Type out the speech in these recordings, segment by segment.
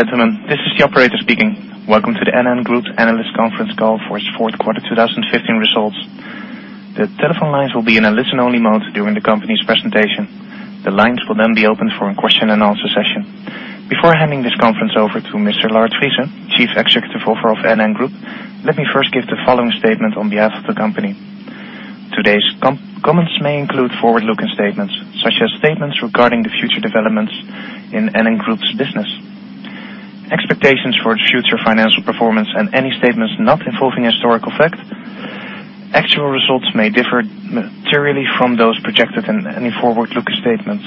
Gentlemen, this is the operator speaking. Welcome to the NN Group analyst conference call for its fourth quarter 2015 results. The telephone lines will be in a listen-only mode during the company's presentation. The lines will be opened for a question-and-answer session. Before handing this conference over to Mr. Lard Friese, Chief Executive Officer of NN Group, let me first give the following statement on behalf of the company. Today's comments may include forward-looking statements, such as statements regarding the future developments in NN Group's business, expectations for its future financial performance, and any statements not involving historical fact. Actual results may differ materially from those projected in any forward-looking statements.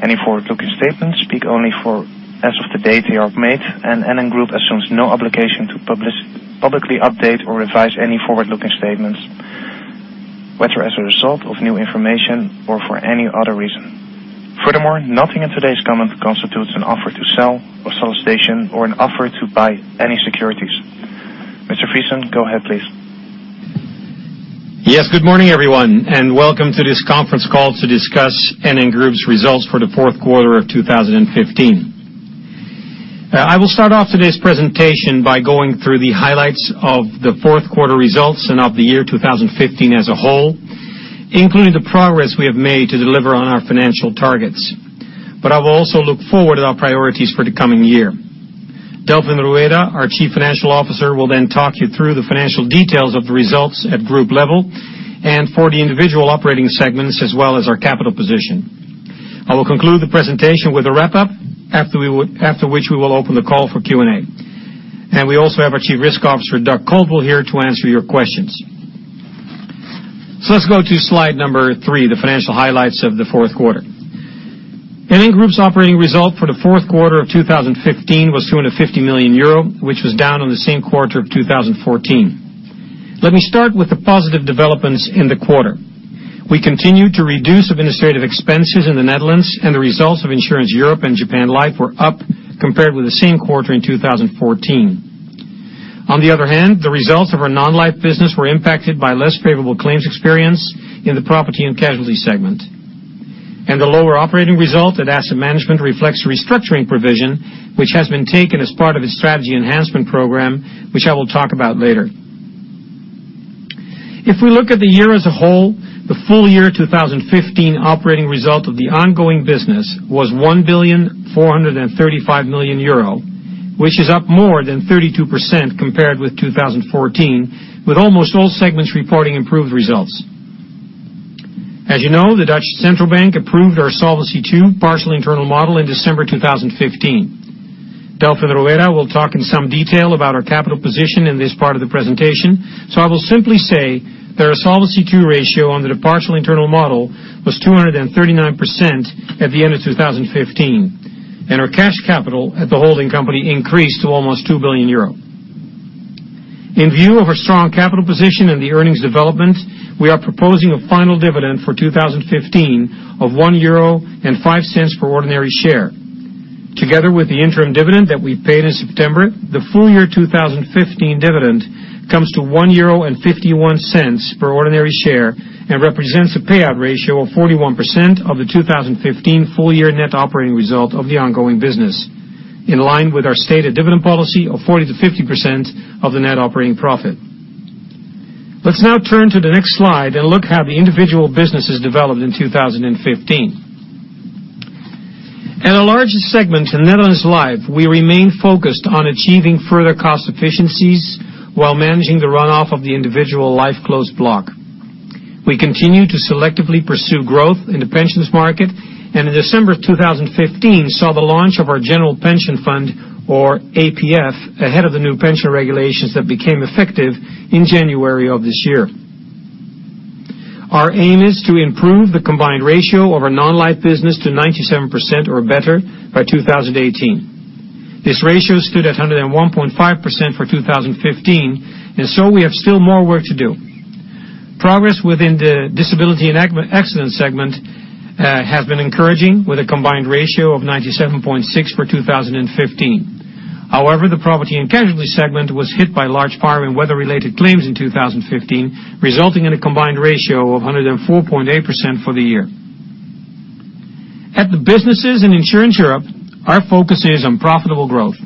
Any forward-looking statements speak only for as of the date they are made. NN Group assumes no obligation to publicly update or revise any forward-looking statements, whether as a result of new information or for any other reason. Furthermore, nothing in today's comment constitutes an offer to sell or solicitation or an offer to buy any securities. Mr. Friese, go ahead, please. Good morning, everyone, welcome to this conference call to discuss NN Group's results for the fourth quarter of 2015. I will start off today's presentation by going through the highlights of the fourth quarter results and of the year 2015 as a whole, including the progress we have made to deliver on our financial targets. I will also look forward at our priorities for the coming year. Delfin Rueda, our Chief Financial Officer, will talk you through the financial details of the results at group level and for the individual operating segments, as well as our capital position. I will conclude the presentation with a wrap-up, after which we will open the call for Q&A. We also have our Chief Risk Officer, Doug Caldwell, here to answer your questions. Let's go to slide number three, the financial highlights of the fourth quarter. NN Group's operating result for the fourth quarter of 2015 was 250 million euro, which was down on the same quarter of 2014. Let me start with the positive developments in the quarter. We continued to reduce administrative expenses in the Netherlands. The results of Insurance Europe and Japan Life were up compared with the same quarter in 2014. On the other hand, the results of our non-life business were impacted by less favorable claims experience in the property and casualty segment. The lower operating result at asset management reflects a restructuring provision, which has been taken as part of its strategy enhancement program, which I will talk about later. If we look at the year as a whole, the full-year 2015 operating result of the ongoing business was 1,435,000,000 euro, which is up more than 32% compared with 2014, with almost all segments reporting improved results. As you know, De Nederlandsche Bank approved our Solvency II partial internal model in December 2015. Delfin Rueda will talk in some detail about our capital position in this part of the presentation. I will simply say that our Solvency II ratio under the partial internal model was 239% at the end of 2015, and our cash capital at the holding company increased to almost 2 billion euro. In view of our strong capital position and the earnings development, we are proposing a final dividend for 2015 of 1.05 euro per ordinary share. Together with the interim dividend that we paid in September, the full-year 2015 dividend comes to 1.51 euro per ordinary share and represents a payout ratio of 41% of the 2015 full-year net operating result of the ongoing business, in line with our stated dividend policy of 40%-50% of the net operating profit. Let's now turn to the next slide and look how the individual businesses developed in 2015. At our largest segment, Netherlands Life, we remain focused on achieving further cost efficiencies while managing the runoff of the individual life closed block. We continue to selectively pursue growth in the pensions market, and in December 2015, saw the launch of our general pension fund, or APF, ahead of the new pension regulations that became effective in January of this year. Our aim is to improve the combined ratio of our non-life business to 97% or better by 2018. This ratio stood at 101.5% for 2015, we have still more work to do. Progress within the disability and accident segment has been encouraging, with a combined ratio of 97.6% for 2015. However, the property and casualty segment was hit by large fire and weather-related claims in 2015, resulting in a combined ratio of 104.8% for the year. At the businesses in Insurance Europe, our focus is on profitable growth,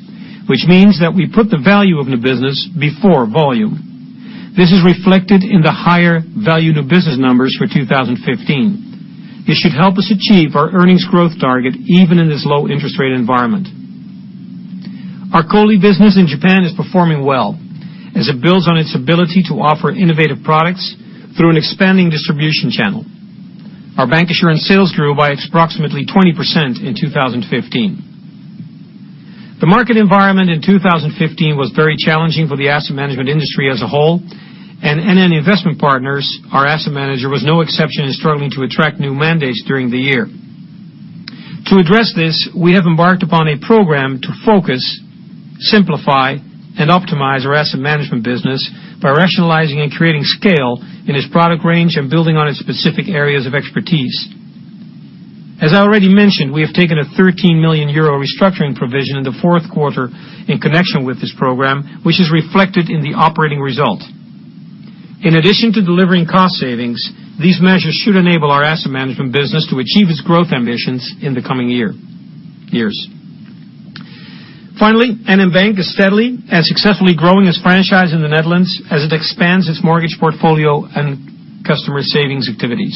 which means that we put the value of new business before volume. This is reflected in the higher valued new business numbers for 2015. This should help us achieve our earnings growth target even in this low interest rate environment. Our COLI business in Japan is performing well as it builds on its ability to offer innovative products through an expanding distribution channel. Our bank insurance sales grew by approximately 20% in 2015. The market environment in 2015 was very challenging for the asset management industry as a whole, and NN Investment Partners, our asset manager, was no exception in struggling to attract new mandates during the year. To address this, we have embarked upon a program to Focus, Simplify and Optimise our asset management business by rationalizing and creating scale in its product range and building on its specific areas of expertise. As I already mentioned, we have taken a 13 million euro restructuring provision in the fourth quarter in connection with this program, which is reflected in the operating result. In addition to delivering cost savings, these measures should enable our asset management business to achieve its growth ambitions in the coming years. Finally, NN Bank is steadily and successfully growing its franchise in the Netherlands as it expands its mortgage portfolio and customer savings activities.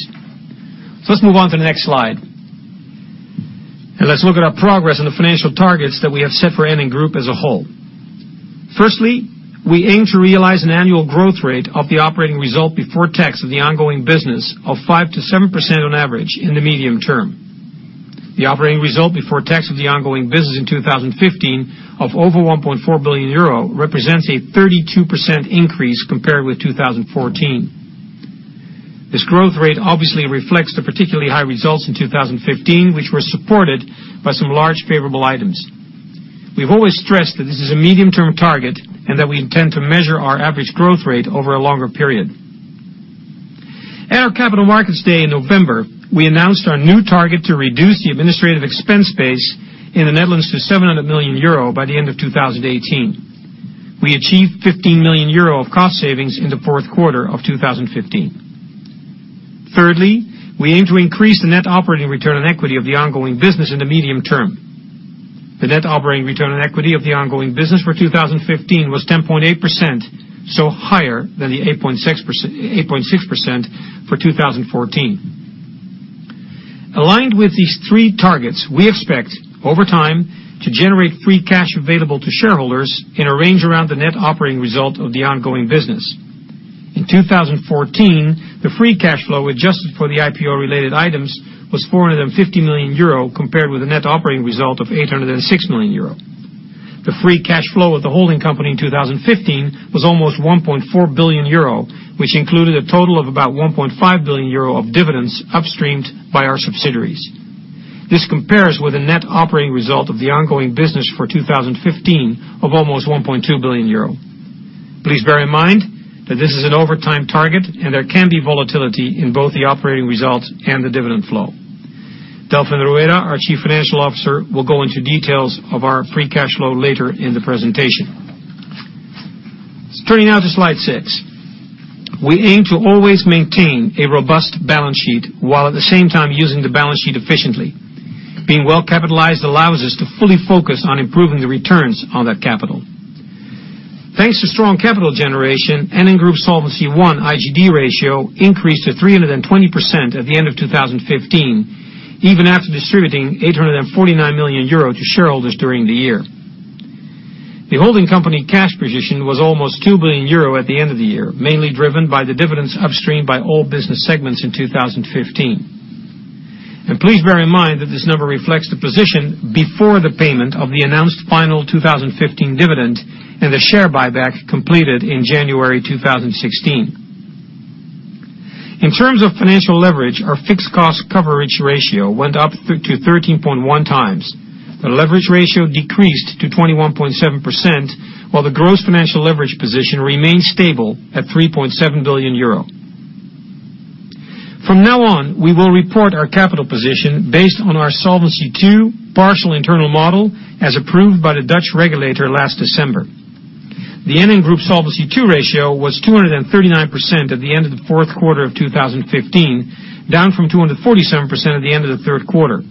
Let's move on to the next slide, and let's look at our progress on the financial targets that we have set for NN Group as a whole. Firstly, we aim to realize an annual growth rate of the operating result before tax of the ongoing business of 5%-7% on average in the medium term. The operating result before tax of the ongoing business in 2015 of over 1.4 billion euro represents a 32% increase compared with 2014. This growth rate obviously reflects the particularly high results in 2015, which were supported by some large favorable items. We've always stressed that this is a medium-term target and that we intend to measure our average growth rate over a longer period. At our Capital Markets Day in November, we announced our new target to reduce the administrative expense base in the Netherlands to 700 million euro by the end of 2018. We achieved 15 million euro of cost savings in the fourth quarter of 2015. Thirdly, we aim to increase the net operating return on equity of the ongoing business in the medium term. The net operating return on equity of the ongoing business for 2015 was 10.8%, so higher than the 8.6% for 2014. Aligned with these three targets, we expect, over time, to generate free cash available to shareholders in a range around the net operating result of the ongoing business. In 2014, the free cash flow, adjusted for the IPO-related items, was 450 million euro compared with a net operating result of 806 million euro. The free cash flow of the holding company in 2015 was almost 1.4 billion euro, which included a total of about 1.5 billion euro of dividends upstreamed by our subsidiaries. This compares with a net operating result of the ongoing business for 2015 of almost 1.2 billion euro. Please bear in mind that this is an over-time target, and there can be volatility in both the operating results and the dividend flow. Delfin Rueda, our Chief Financial Officer, will go into details of our free cash flow later in the presentation. Turning now to slide six. We aim to always maintain a robust balance sheet while at the same time using the balance sheet efficiently. Being well-capitalized allows us to fully focus on improving the returns on that capital. Thanks to strong capital generation, NN Group Solvency I IGD ratio increased to 320% at the end of 2015, even after distributing 849 million euro to shareholders during the year. The holding company cash position was almost 2 billion euro at the end of the year, mainly driven by the dividends upstream by all business segments in 2015. And please bear in mind that this number reflects the position before the payment of the announced final 2015 dividend and the share buyback completed in January 2016. In terms of financial leverage, our fixed cost coverage ratio went up to 13.1 times. The leverage ratio decreased to 21.7%, while the gross financial leverage position remained stable at 3.7 billion euro. From now on, we will report our capital position based on our Solvency II partial internal model as approved by the Dutch regulator last December. The NN Group Solvency II ratio was 239% at the end of the fourth quarter of 2015, down from 247% at the end of the third quarter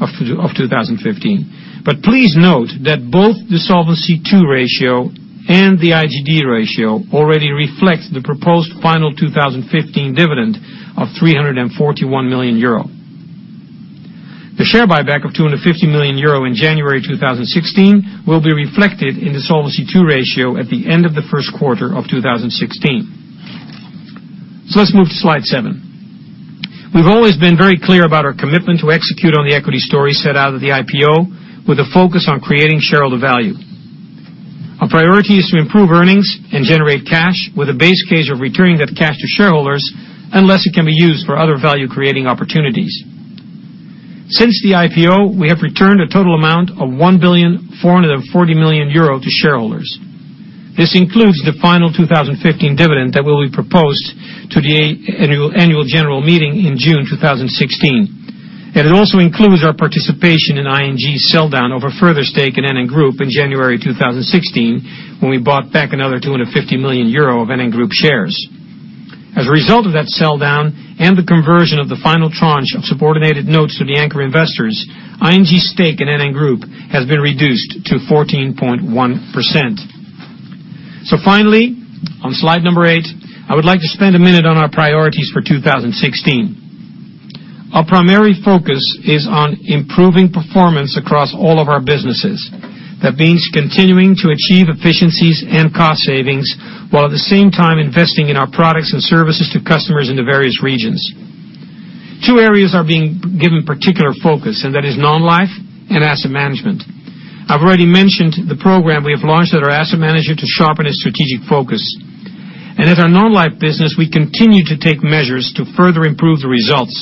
of 2015. Please note that both the Solvency II ratio and the IGD ratio already reflect the proposed final 2015 dividend of 341 million euro. The share buyback of 250 million euro in January 2016 will be reflected in the Solvency II ratio at the end of the first quarter of 2016. Let's move to slide seven. We've always been very clear about our commitment to execute on the equity story set out at the IPO with a focus on creating shareholder value. Our priority is to improve earnings and generate cash with a base case of returning that cash to shareholders unless it can be used for other value-creating opportunities. Since the IPO, we have returned a total amount of 1.44 billion euro to shareholders. This includes the final 2015 dividend that will be proposed to the annual general meeting in June 2016, and it also includes our participation in ING's sell-down of a further stake in NN Group in January 2016, when we bought back another 250 million euro of NN Group shares. As a result of that sell-down and the conversion of the final tranche of subordinated notes to the anchor investors, ING's stake in NN Group has been reduced to 14.1%. Finally, on slide number eight, I would like to spend a minute on our priorities for 2016. Our primary focus is on improving performance across all of our businesses. That means continuing to achieve efficiencies and cost savings while at the same time investing in our products and services to customers in the various regions. Two areas are being given particular focus, and that is non-life and asset management. I've already mentioned the program we have launched at our asset manager to sharpen its strategic focus. At our non-life business, we continue to take measures to further improve the results,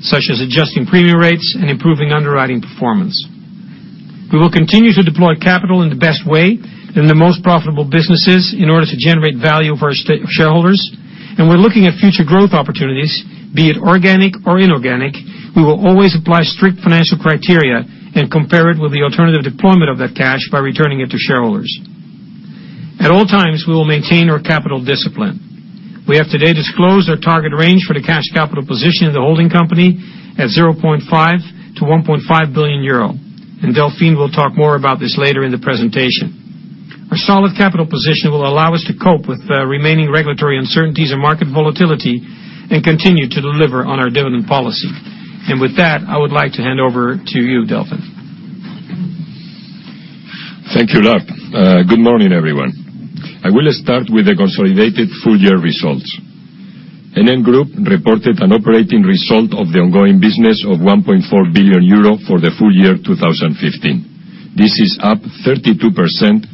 such as adjusting premium rates and improving underwriting performance. We will continue to deploy capital in the best way in the most profitable businesses in order to generate value for our shareholders. When looking at future growth opportunities, be it organic or inorganic, we will always apply strict financial criteria and compare it with the alternative deployment of that cash by returning it to shareholders. At all times, we will maintain our capital discipline. We have today disclosed our target range for the cash capital position of the holding company at 0.5 billion-1.5 billion euro, and Delfin will talk more about this later in the presentation. Our solid capital position will allow us to cope with the remaining regulatory uncertainties and market volatility and continue to deliver on our dividend policy. With that, I would like to hand over to you, Delfin. Thank you, Lard. Good morning, everyone. I will start with the consolidated full year results. NN Group reported an operating result of the ongoing business of 1.4 billion euro for the full year 2015. This is up 32%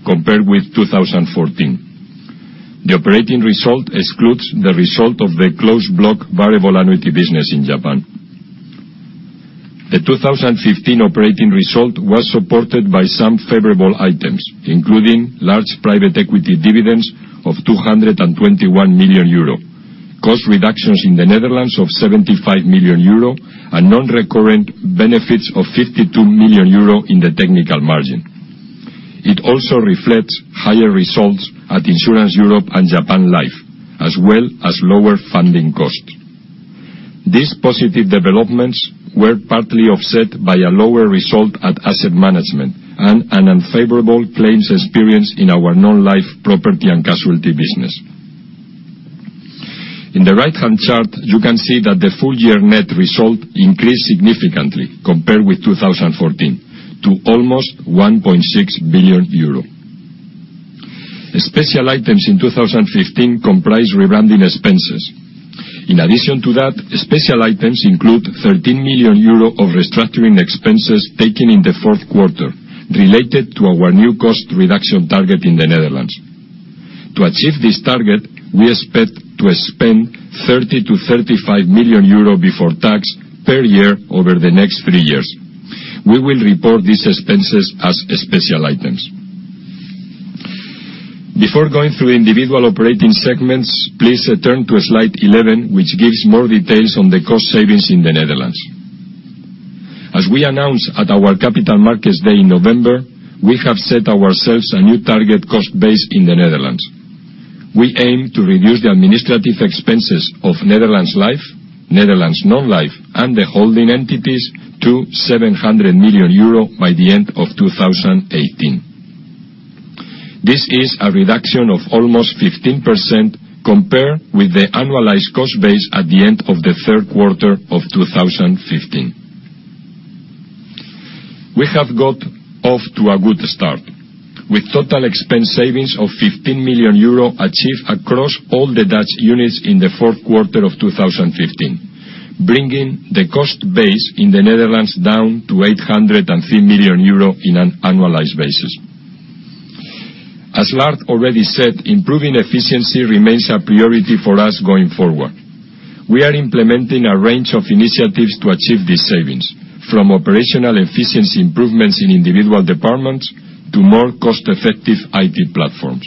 compared with 2014. The operating result excludes the result of the closed block variable annuity business in Japan. The 2015 operating result was supported by some favorable items, including large private equity dividends of 221 million euro, cost reductions in the Netherlands of 75 million euro, and non-recurrent benefits of 52 million euro in the technical margin. It also reflects higher results at Insurance Europe and Japan Life, as well as lower funding costs. These positive developments were partly offset by a lower result at asset management and an unfavorable claims experience in our non-life property and casualty business. In the right-hand chart, you can see that the full year net result increased significantly compared with 2014 to almost 1.6 billion euro. Special items in 2015 comprise rebranding expenses. In addition to that, special items include 13 million euro of restructuring expenses taken in the fourth quarter related to our new cost reduction target in the Netherlands. To achieve this target, we expect to spend 30 million to 35 million euro before tax per year over the next three years. We will report these expenses as special items. Before going through individual operating segments, please turn to slide 11, which gives more details on the cost savings in the Netherlands. As we announced at our Capital Markets Day in November, we have set ourselves a new target cost base in the Netherlands. We aim to reduce the administrative expenses of Netherlands Life, Netherlands Non-Life, and the holding entities to 700 million euro by the end of 2018. This is a reduction of almost 15% compared with the annualized cost base at the end of the third quarter of 2015. We have got off to a good start with total expense savings of 15 million euro achieved across all the Dutch units in the fourth quarter of 2015, bringing the cost base in the Netherlands down to 803 million euro in an annualized basis. As Lard already said, improving efficiency remains a priority for us going forward. We are implementing a range of initiatives to achieve these savings, from operational efficiency improvements in individual departments to more cost-effective IT platforms.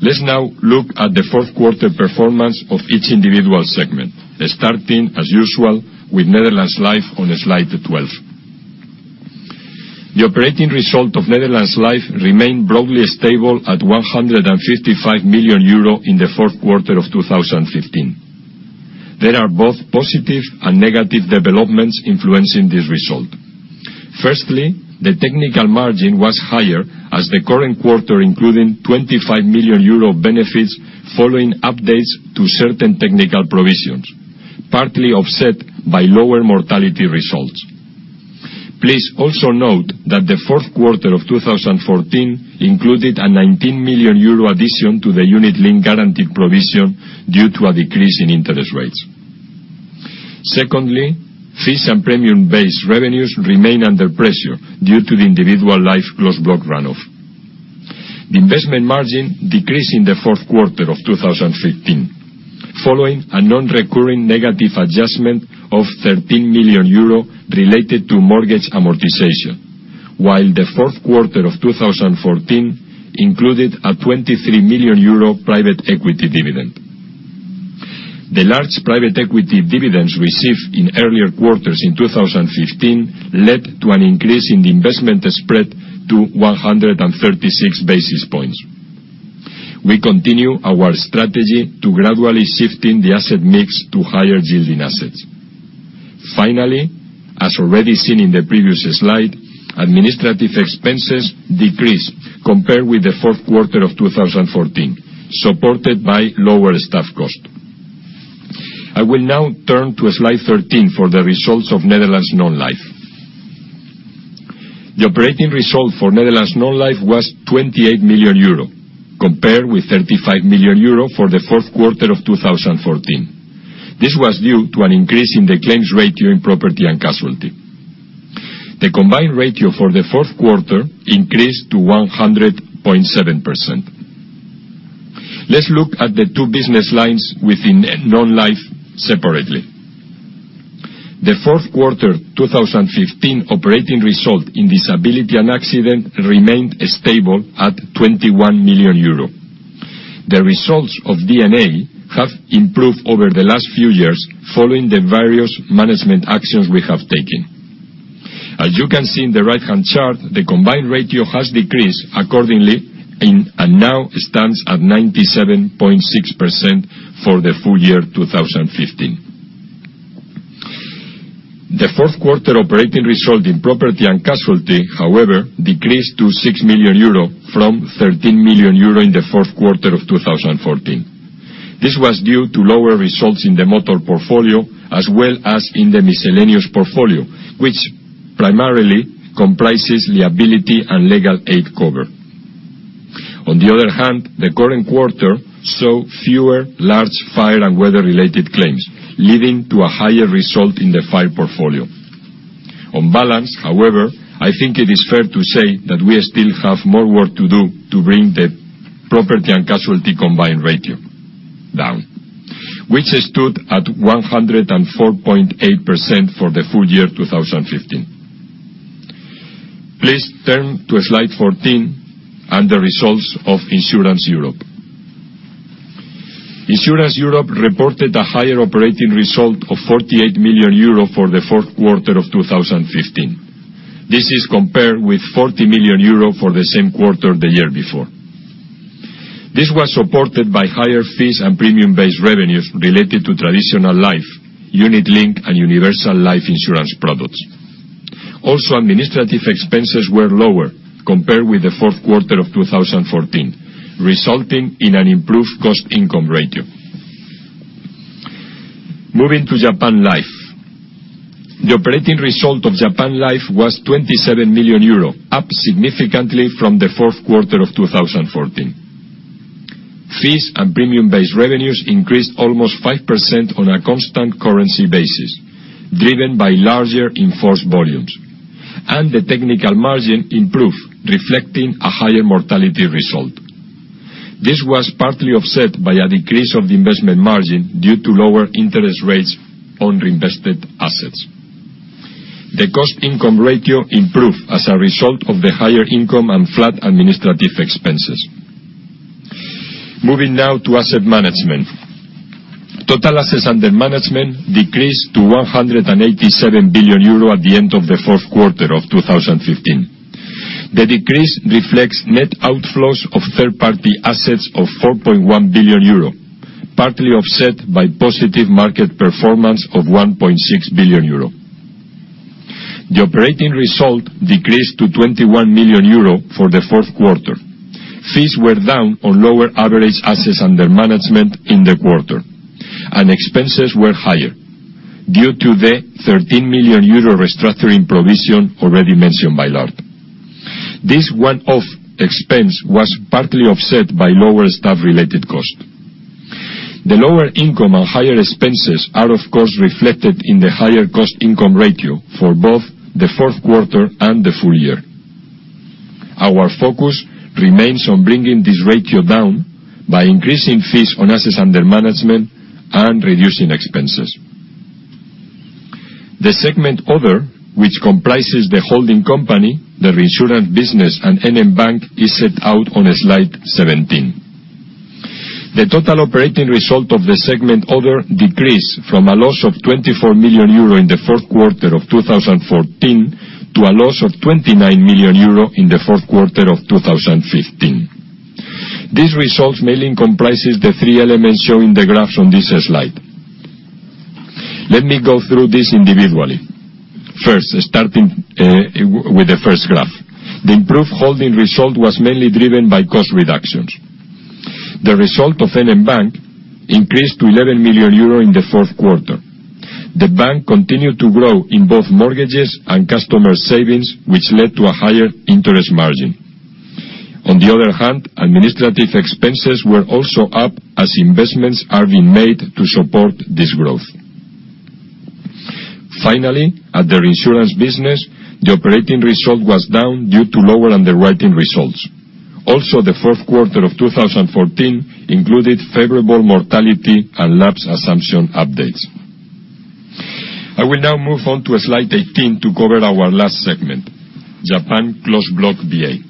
Let's now look at the fourth quarter performance of each individual segment, starting, as usual, with Netherlands Life on slide 12. The operating result of Netherlands Life remained broadly stable at 155 million euro in the fourth quarter of 2015. There are both positive and negative developments influencing this result. Firstly, the technical margin was higher as the current quarter including 25 million euro benefits following updates to certain technical provisions, partly offset by lower mortality results. Please also note that the fourth quarter of 2014 included a 19 million euro addition to the unit-linked guarantee provision due to a decrease in interest rates. Secondly, fees and premium-based revenues remain under pressure due to the individual life closed block run-off. The investment margin decreased in the fourth quarter of 2015, following a non-recurring negative adjustment of 13 million euro related to mortgage amortization, while the fourth quarter of 2014 included a 23 million euro private equity dividend. The large private equity dividends received in earlier quarters in 2015 led to an increase in the investment spread to 136 basis points. We continue our strategy to gradually shifting the asset mix to higher yielding assets. Finally, as already seen in the previous slide, administrative expenses decreased compared with the fourth quarter of 2014, supported by lower staff cost. I will now turn to slide 13 for the results of Netherlands Non-Life. The operating result for Netherlands Non-Life was 28 million euro, compared with 35 million euro for the fourth quarter of 2014. This was due to an increase in the claims ratio in property and casualty. The combined ratio for the fourth quarter increased to 100.7%. Let's look at the two business lines within Non-Life separately. The fourth quarter 2015 operating result in Disability & Accident remained stable at 21 million euro. The results of D&A have improved over the last few years following the various management actions we have taken. As you can see in the right-hand chart, the combined ratio has decreased accordingly, and now stands at 97.6% for the full year 2015. The fourth quarter operating result in property and casualty, however, decreased to 6 million euro from 13 million euro in the fourth quarter of 2014. This was due to lower results in the motor portfolio as well as in the miscellaneous portfolio, which primarily comprises liability and legal aid cover. On the other hand, the current quarter saw fewer large fire and weather-related claims, leading to a higher result in the fire portfolio. On balance, however, I think it is fair to say that we still have more work to do to bring the property and casualty combined ratio down, which stood at 104.8% for the full year 2015. Please turn to Slide 14 and the results of Insurance Europe. Insurance Europe reported a higher operating result of 48 million euro for the fourth quarter of 2015. This is compared with 40 million euro for the same quarter the year before. This was supported by higher fees and premium-based revenues related to traditional life, unit link, and universal life insurance products. Also, administrative expenses were lower compared with the fourth quarter of 2014, resulting in an improved cost-income ratio. Moving to Japan Life. The operating result of Japan Life was 27 million euro, up significantly from the fourth quarter of 2014. Fees and premium-based revenues increased almost 5% on a constant currency basis, driven by larger in-force volumes, and the technical margin improved, reflecting a higher mortality result. This was partly offset by a decrease of the investment margin due to lower interest rates on reinvested assets. The cost-income ratio improved as a result of the higher income and flat administrative expenses. Moving now to asset management. Total assets under management decreased to 187 billion euro at the end of the fourth quarter of 2015. The decrease reflects net outflows of third-party assets of 4.1 billion euro, partly offset by positive market performance of 1.6 billion euro. The operating result decreased to 21 million euro for the fourth quarter. Fees were down on lower average assets under management in the quarter, and expenses were higher due to the 13 million euro restructuring provision already mentioned by Lard. This one-off expense was partly offset by lower staff-related cost. The lower income and higher expenses are of course reflected in the higher cost-income ratio for both the fourth quarter and the full year. Our focus remains on bringing this ratio down by increasing fees on assets under management and reducing expenses. The segment other, which comprises the holding company, the reinsurance business, and NN Bank, is set out on Slide 17. The total operating result of the segment other decreased from a loss of 24 million euro in the fourth quarter of 2014 to a loss of 29 million euro in the fourth quarter of 2015. These results mainly comprise the three elements shown in the graphs on this slide. Let me go through these individually. First, starting with the first graph. The improved holding result was mainly driven by cost reductions. The result of NN Bank increased to 11 million euro in the fourth quarter. The bank continued to grow in both mortgages and customer savings, which led to a higher interest margin. On the other hand, administrative expenses were also up as investments are being made to support this growth. Finally, at the reinsurance business, the operating result was down due to lower underwriting results. Also, the fourth quarter of 2014 included favorable mortality and lapse assumption updates. I will now move on to Slide 18 to cover our last segment, Japan Closed Block VA.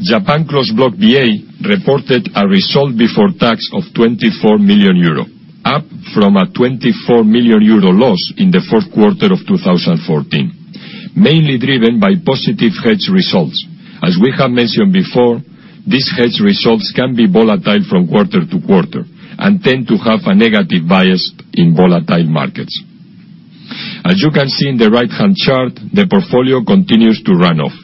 Japan Closed Block VA reported a result before tax of 24 million euro, up from a 24 million euro loss in the fourth quarter of 2014, mainly driven by positive hedge results. As we have mentioned before, these hedge results can be volatile from quarter to quarter and tend to have a negative bias in volatile markets. As you can see in the right-hand chart, the portfolio continues to run off.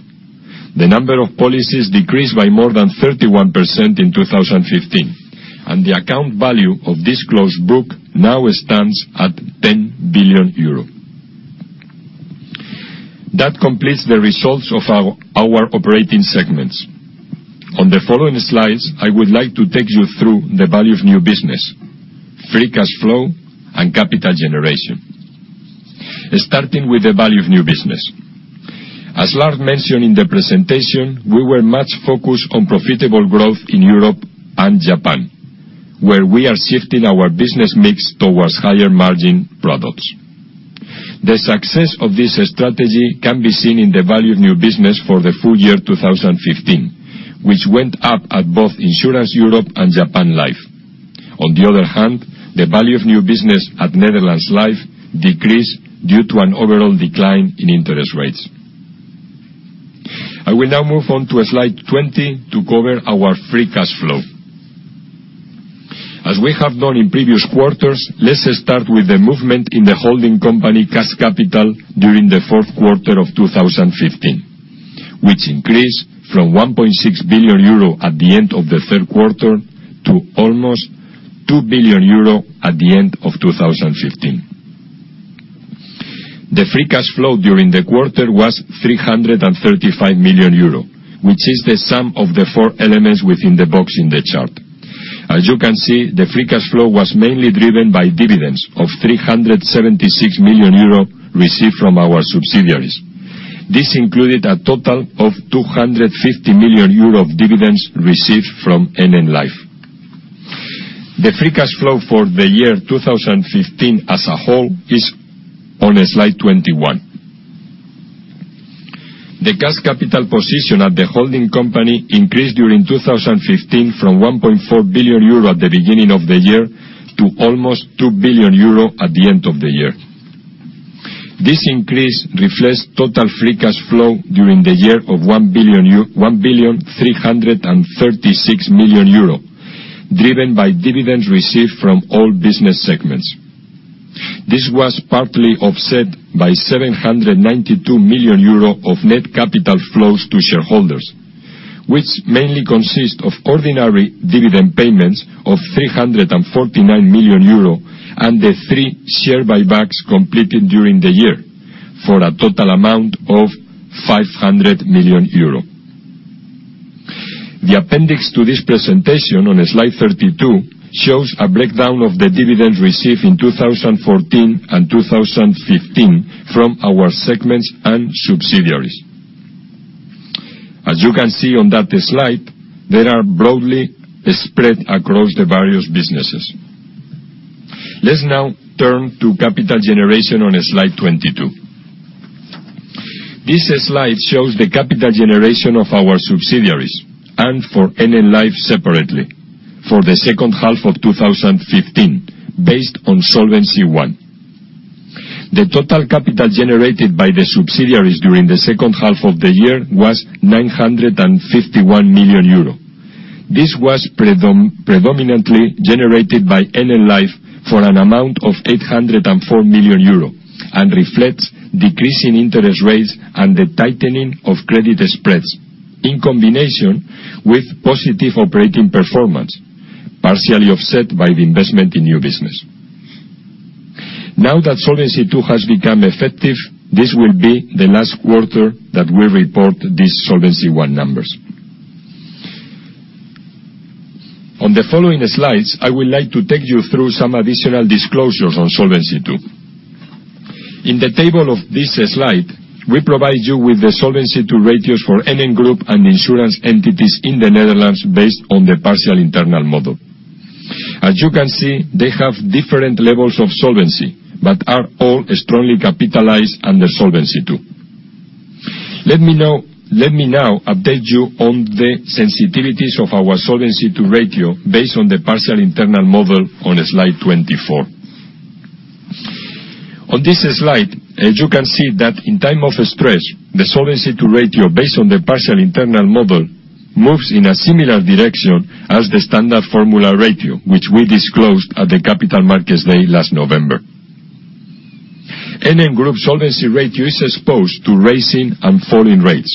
The number of policies decreased by more than 31% in 2015, and the account value of this closed book now stands at 10 billion euro. That completes the results of our operating segments. On the following slides, I would like to take you through the value of new business, free cash flow, and capital generation. Starting with the value of new business. As Lard mentioned in the presentation, we were much focused on profitable growth in Europe and Japan, where we are shifting our business mix towards higher margin products. The success of this strategy can be seen in the value of new business for the full year 2015, which went up at both Insurance Europe and Japan Life. On the other hand, the value of new business at Netherlands Life decreased due to an overall decline in interest rates. I will now move on to slide 20 to cover our free cash flow. As we have done in previous quarters, let's start with the movement in the holding company cash capital during the fourth quarter of 2015, which increased from 1.6 billion euro at the end of the third quarter to almost 2 billion euro at the end of 2015. The free cash flow during the quarter was 335 million euro, which is the sum of the four elements within the box in the chart. As you can see, the free cash flow was mainly driven by dividends of 376 million euro received from our subsidiaries. This included a total of 250 million euro of dividends received from NN Life. The free cash flow for the year 2015 as a whole is on slide 21. The cash capital position at the holding company increased during 2015 from 1.4 billion euro at the beginning of the year to almost 2 billion euro at the end of the year. This increase reflects total free cash flow during the year of 1,336,000,000 euro, driven by dividends received from all business segments. This was partly offset by 792 million euro of net capital flows to shareholders, which mainly consist of ordinary dividend payments of 349 million euro, and the three share buybacks completed during the year, for a total amount of 500 million euros. The appendix to this presentation on slide 32 shows a breakdown of the dividends received in 2014 and 2015 from our segments and subsidiaries. As you can see on that slide, they are broadly spread across the various businesses. Let's now turn to capital generation on slide 22. This slide shows the capital generation of our subsidiaries, and for NN Life separately, for the second half of 2015, based on Solvency I. The total capital generated by the subsidiaries during the second half of the year was 951 million euro. This was predominantly generated by NN Life for an amount of 804 million euro, and reflects decreasing interest rates and the tightening of credit spreads, in combination with positive operating performance, partially offset by the investment in new business. Now that Solvency II has become effective, this will be the last quarter that we report these Solvency I numbers. On the following slides, I would like to take you through some additional disclosures on Solvency II. In the table of this slide, we provide you with the Solvency II ratios for NN Group and insurance entities in the Netherlands based on the partial internal model. As you can see, they have different levels of solvency, but are all strongly capitalized under Solvency II. Let me now update you on the sensitivities of our Solvency II ratio, based on the partial internal model, on slide 24. On this slide, as you can see that in time of stress, the Solvency II ratio, based on the partial internal model, moves in a similar direction as the standard formula ratio, which we disclosed at the Capital Markets Day last November. NN Group solvency ratio is exposed to raising and falling rates,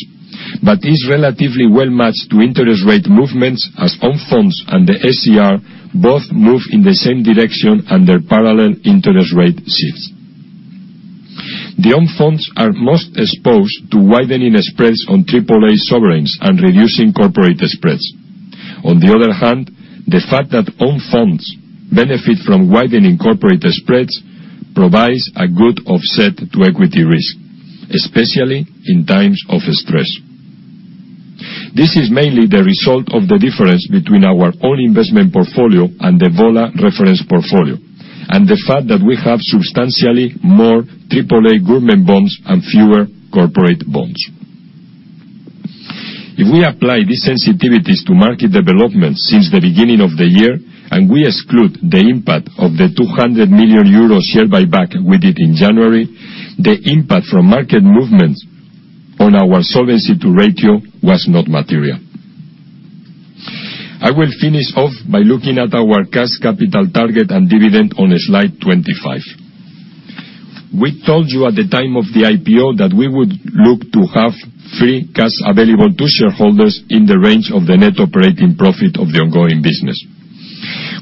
but is relatively well matched to interest rate movements as own funds and the SCR both move in the same direction under parallel interest rate shifts. The own funds are most exposed to widening spreads on AAA sovereigns and reducing corporate spreads. The fact that own funds benefit from widening corporate spreads provides a good offset to equity risk, especially in times of stress. This is mainly the result of the difference between our own investment portfolio and the vola reference portfolio, and the fact that we have substantially more AAA government bonds and fewer corporate bonds. If we apply these sensitivities to market developments since the beginning of the year, and we exclude the impact of the 200 million euros share buyback we did in January, the impact from market movements on our Solvency II ratio was not material. I will finish off by looking at our cash capital target and dividend on slide 25. We told you at the time of the IPO that we would look to have free cash available to shareholders in the range of the net operating profit of the ongoing business.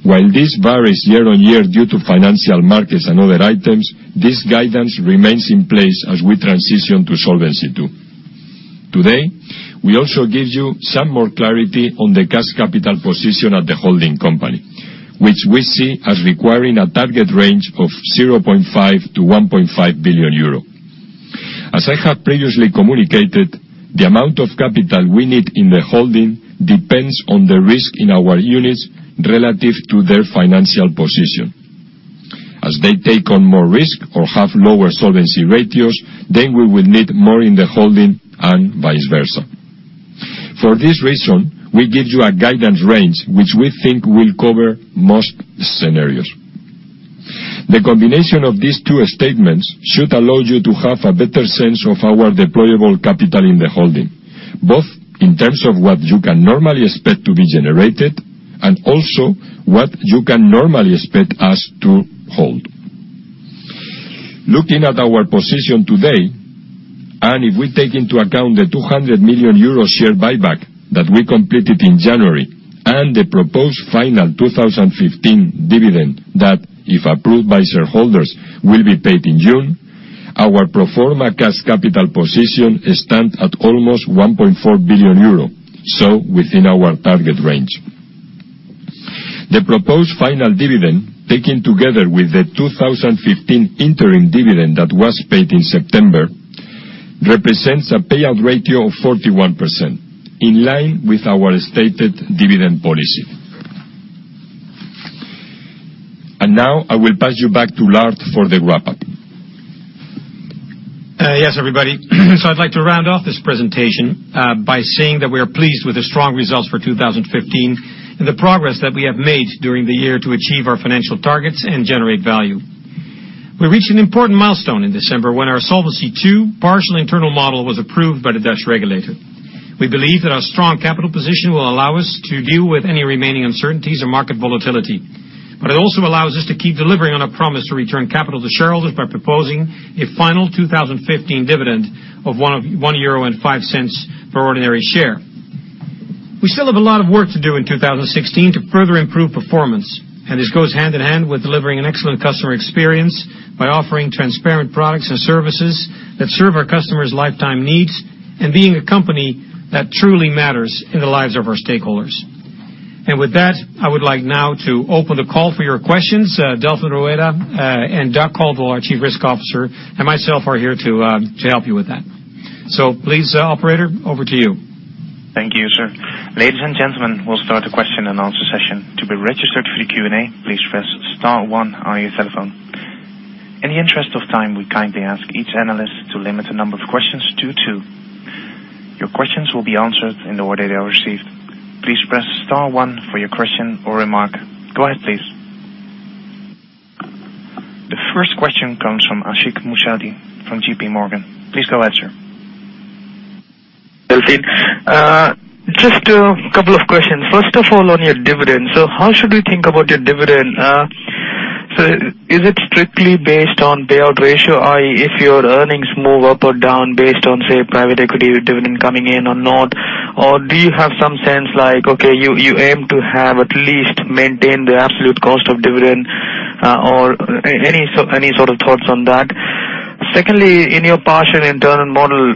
While this varies year on year due to financial markets and other items, this guidance remains in place as we transition to Solvency II. Today, we also give you some more clarity on the cash capital position at the holding company, which we see as requiring a target range of 0.5 billion-1.5 billion euro. As I have previously communicated, the amount of capital we need in the holding depends on the risk in our units relative to their financial position. As they take on more risk or have lower solvency ratios, we will need more in the holding and vice versa. For this reason, we give you a guidance range, which we think will cover most scenarios. The combination of these two statements should allow you to have a better sense of our deployable capital in the holding, both in terms of what you can normally expect to be generated and also what you can normally expect us to hold. Looking at our position today, if we take into account the 200 million euro share buyback that we completed in January, and the proposed final 2015 dividend that, if approved by shareholders, will be paid in June, our pro forma cash capital position stands at almost 1.4 billion euro, so within our target range. The proposed final dividend, taken together with the 2015 interim dividend that was paid in September, represents a payout ratio of 41%, in line with our stated dividend policy. Now I will pass you back to Lard for the wrap-up. Yes, everybody. I'd like to round off this presentation by saying that we are pleased with the strong results for 2015 and the progress that we have made during the year to achieve our financial targets and generate value. We reached an important milestone in December when our Solvency II partial internal model was approved by the Dutch regulator. We believe that our strong capital position will allow us to deal with any remaining uncertainties or market volatility. It also allows us to keep delivering on a promise to return capital to shareholders by proposing a final 2015 dividend of 1.05 euro per ordinary share. We still have a lot of work to do in 2016 to further improve performance, this goes hand in hand with delivering an excellent customer experience by offering transparent products and services that serve our customers' lifetime needs, and being a company that truly matters in the lives of our stakeholders. With that, I would like now to open the call for your questions. Delfin Rueda and Doug Caldwell, our Chief Risk Officer, and myself are here to help you with that. Please, operator, over to you. Thank you, sir. Ladies and gentlemen, we will start the question and answer session. To be registered for the Q&A, please press star one on your telephone. In the interest of time, we kindly ask each analyst to limit the number of questions to two. Your questions will be answered in the order they are received. Please press star one for your question or remark. Go ahead, please. The first question comes from Ashik Musaddi from JPMorgan. Please go ahead, sir. Delfin. Just a couple of questions. First of all, on your dividend, how should we think about your dividend? Is it strictly based on payout ratio, i.e., if your earnings move up or down based on, say, private equity dividend coming in or not? Do you have some sense like, okay, you aim to have at least maintain the absolute cost of dividend, or any sort of thoughts on that? Secondly, in your partial internal model,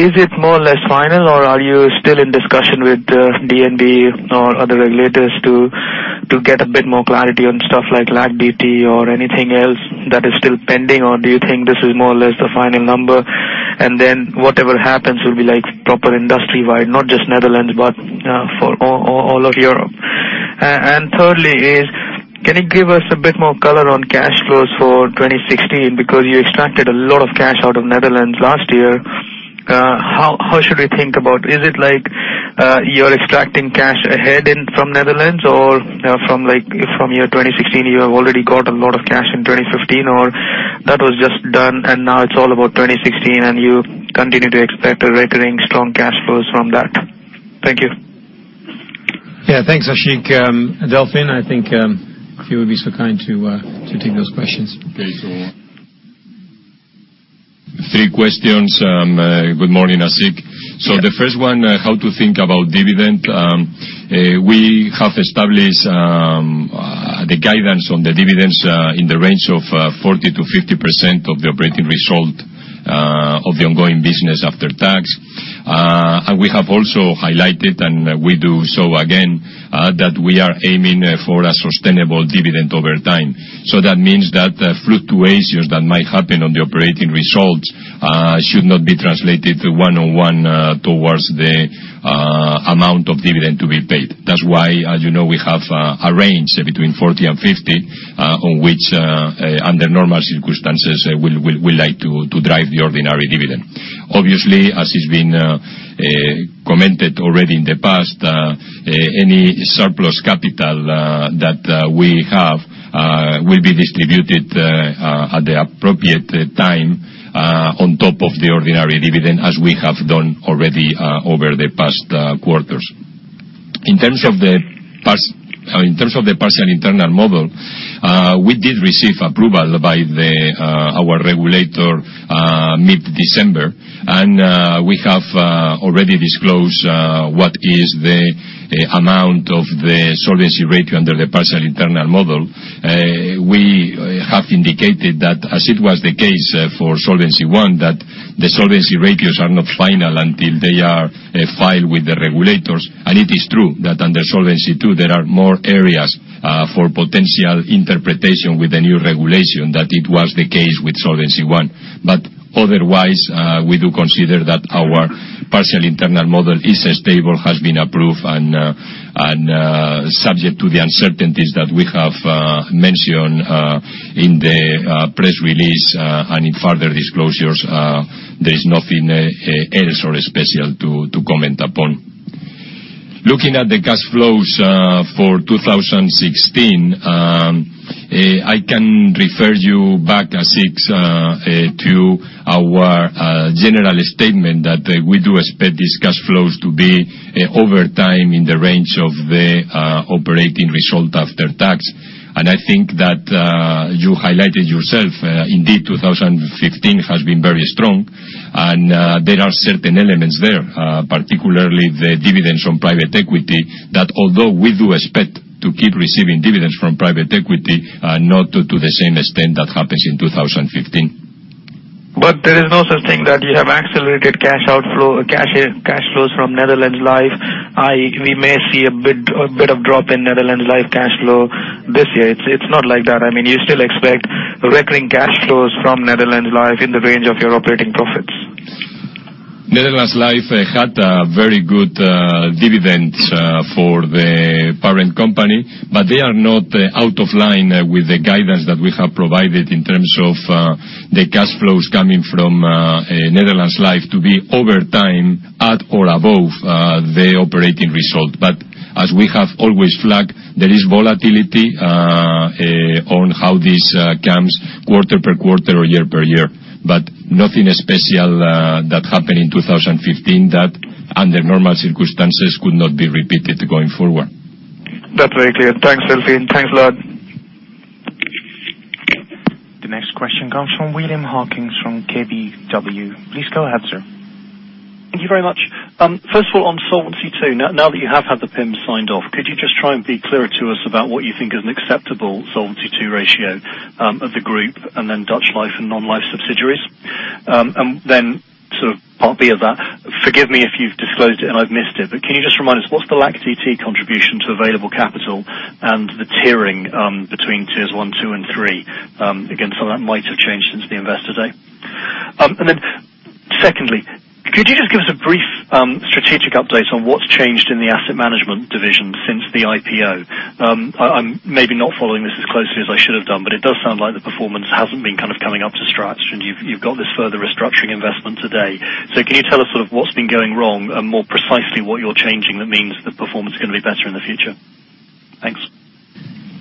is it more or less final, are you still in discussion with DNB or other regulators to get a bit more clarity on stuff like LAC DT or anything else that is still pending? Do you think this is more or less the final number, and then whatever happens will be proper industry-wide, not just Netherlands, but for all of Europe? Thirdly is, can you give us a bit more color on cash flows for 2016? Because you extracted a lot of cash out of Netherlands last year. How should we think about, is it like you're extracting cash ahead from Netherlands or from year 2016, you have already got a lot of cash in 2015, or that was just done and now it's all about 2016 and you continue to expect recurring strong cash flows from that? Thank you. Yeah, thanks, Ashik. Delfin, I think if you would be so kind to take those questions. Okay. Three questions. Good morning, Ashik. Yeah. The first one, how to think about dividend. We have established the guidance on the dividends in the range of 40% to 50% of the operating result of the ongoing business after tax. We have also highlighted, and we do so again, that we are aiming for a sustainable dividend over time. That means that fluctuations that might happen on the operating results should not be translated one-on-one towards the amount of dividend to be paid. That's why, as you know, we have a range between 40% and 50%, on which under normal circumstances, we like to drive the ordinary dividend. Obviously, as it's been commented already in the past, any surplus capital that we have will be distributed at the appropriate time on top of the ordinary dividend as we have done already over the past quarters. In terms of the partial internal model, we did receive approval by our regulator mid-December, and we have already disclosed what is the amount of the solvency ratio under the partial internal model. We have indicated that as it was the case for Solvency I, that the solvency ratios are not final until they are filed with the regulators. It is true that under Solvency II, there are more areas for potential interpretation with the new regulation than it was the case with Solvency I. Otherwise, we do consider that our partial internal model is stable, has been approved, and subject to the uncertainties that we have mentioned in the press release and in further disclosures. There is nothing else or special to comment upon. Looking at the cash flows for 2016, I can refer you back, Ashik, to our general statement that we do expect these cash flows to be, over time, in the range of the operating result after tax. I think that you highlighted yourself, indeed, 2015 has been very strong, and there are certain elements there, particularly the dividends from private equity, that although we do expect to keep receiving dividends from private equity, not to the same extent that happens in 2015. There is no such thing that you have accelerated cash flows from Netherlands Life. We may see a bit of drop in Netherlands Life cash flow this year. It is not like that. You still expect recurring cash flows from Netherlands Life in the range of your operating profits. Netherlands Life had a very good dividend for the parent company, they are not out of line with the guidance that we have provided in terms of the cash flows coming from Netherlands Life to be, over time, at or above the operating result. As we have always flagged, there is volatility on how this comes quarter per quarter or year per year. Nothing special that happened in 2015 that, under normal circumstances, could not be repeated going forward. That's very clear. Thanks, Delfin. Thanks a lot. The next question comes from William Hawkins from KBW. Please go ahead, sir. Thank you very much. First of all, on Solvency II, now that you have had the PIM signed off, could you just try and be clearer to us about what you think is an acceptable Solvency II ratio of the group, and then Dutch Life and non-life subsidiaries? Part B of that, forgive me if you've disclosed it and I've missed it, but can you just remind us what's the LAC DT contribution to available capital and the tiering between tiers 1, 2, and 3? Again, some of that might have changed since the Investor Day. Secondly, could you just give us a brief strategic update on what's changed in the asset management division since the IPO? I'm maybe not following this as closely as I should have done, but it does sound like the performance hasn't been coming up to scratch, and you've got this further restructuring investment today. Can you tell us what's been going wrong and more precisely what you're changing that means the performance is going to be better in the future?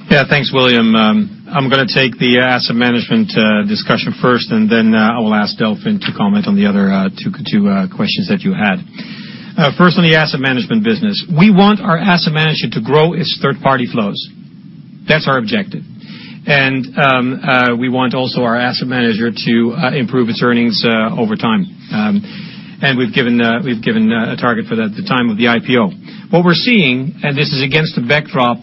Thanks. Thanks, William. I'm going to take the asset management discussion first, I will ask Delfin to comment on the other two questions that you had. First, on the asset management business. We want our asset management to grow its third-party flows. That's our objective. We want also our asset manager to improve its earnings over time. We've given a target for that at the time of the IPO. What we're seeing, this is against the backdrop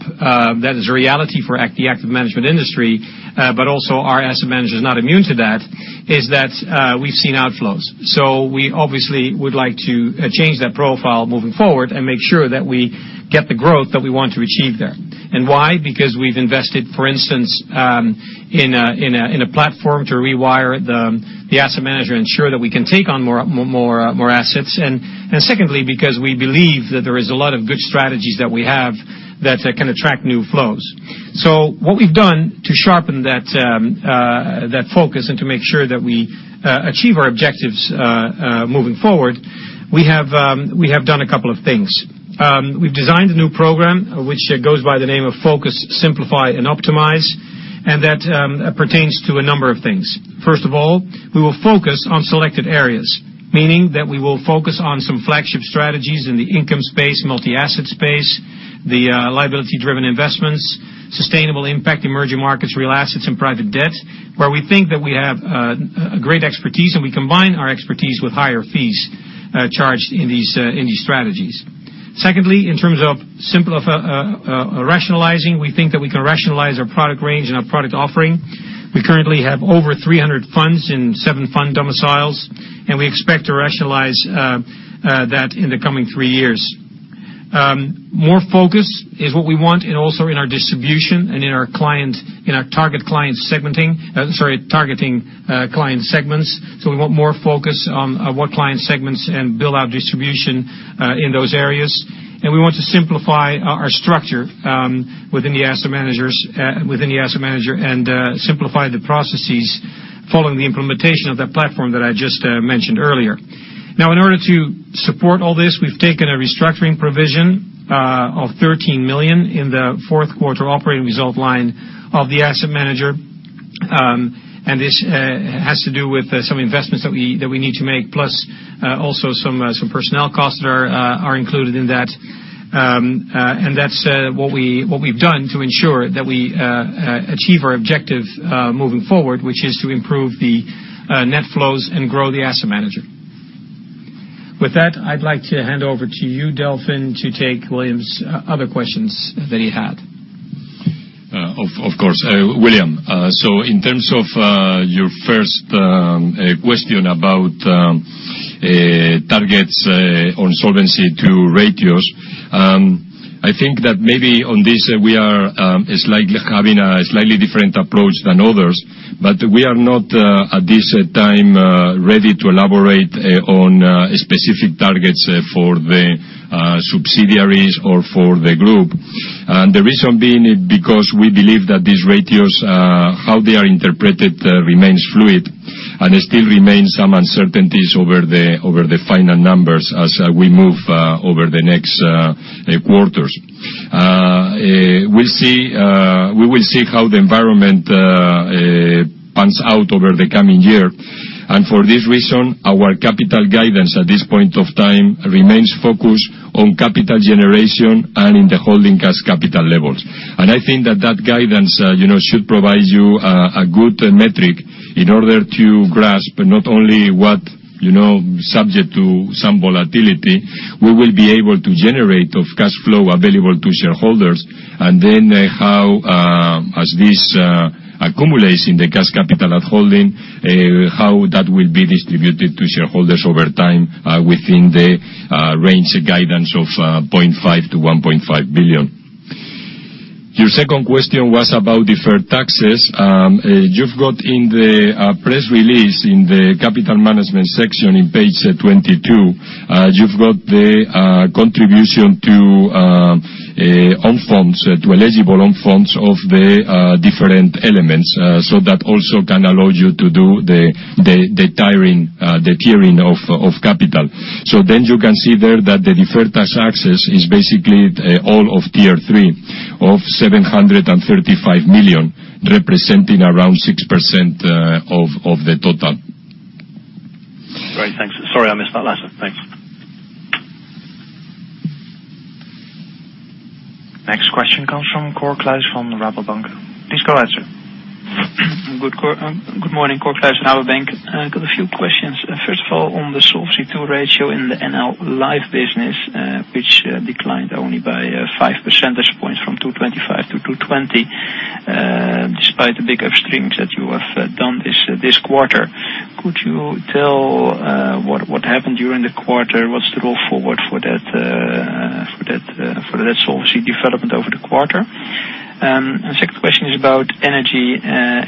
that is a reality for the active management industry, but also our asset manager is not immune to that, is that we've seen outflows. We obviously would like to change that profile moving forward and make sure that we get the growth that we want to achieve there. Why? Because we've invested, for instance, in a platform to rewire the asset manager, ensure that we can take on more assets. Secondly, because we believe that there is a lot of good strategies that we have that can attract new flows. What we've done to sharpen that focus and to make sure that we achieve our objectives moving forward, we have done a couple of things. We've designed a new program, which goes by the name of Focus, Simplify and Optimise, that pertains to a number of things. First of all, we will focus on selected areas, meaning that we will focus on some flagship strategies in the income space, multi-asset space, the liability-driven investments, sustainable impact, emerging markets, real assets, and private debt, where we think that we have a great expertise, we combine our expertise with higher fees charged in these strategies. Secondly, in terms of rationalizing, we think that we can rationalize our product range and our product offering. We currently have over 300 funds in seven fund domiciles, and we expect to rationalize that in the coming three years. More focus is what we want, and also in our distribution and in our target client segmenting. Sorry, targeting client segments. We want more focus on what client segments and build out distribution in those areas. We want to simplify our structure within the asset manager, and simplify the processes following the implementation of that platform that I just mentioned earlier. Now, in order to support all this, we've taken a restructuring provision of 13 million in the fourth quarter operating result line of the asset manager. This has to do with some investments that we need to make, plus also some personnel costs that are included in that. That's what we've done to ensure that we achieve our objective moving forward, which is to improve the net flows and grow the asset manager. With that, I'd like to hand over to you, Delfin, to take William's other questions that he had. Of course. William, in terms of your first question about targets on Solvency II ratios, I think that maybe on this, we are having a slightly different approach than others, but we are not, at this time, ready to elaborate on specific targets for the subsidiaries or for the group. The reason being because we believe that these ratios, how they are interpreted remains fluid, and there still remains some uncertainties over the final numbers as we move over the next quarters. We will see how the environment pans out over the coming year. For this reason, our capital guidance at this point of time remains focused on capital generation and in the holding cash capital levels. I think that guidance should provide you a good metric in order to grasp not only what, subject to some volatility, we will be able to generate of cash flow available to shareholders, and then how, as this accumulates in the cash capital at holding, how that will be distributed to shareholders over time within the range guidance of 0.5 billion to 1.5 billion. Your second question was about deferred taxes. You've got in the press release, in the capital management section in page 22, you've got the contribution to eligible own funds of the different elements. That also can allow you to do the tiering of capital. You can see there that the deferred taxes is basically all of tier 3 of 735 million, representing around 6% of the total. Great. Thanks. Sorry, I missed that last one. Thanks. Next question comes from Cor Klaassen from Rabobank. Please go ahead, sir. Good morning, Cor Klaassen, Rabobank. I've got a few questions. First of all, on the Solvency II ratio in the Netherlands Life business, which declined only by 5 percentage points from 225 to 220. Despite the big upstreams that you have done this quarter, could you tell what happened during the quarter? What's the go forward for that solvency development over the quarter? Second question is about energy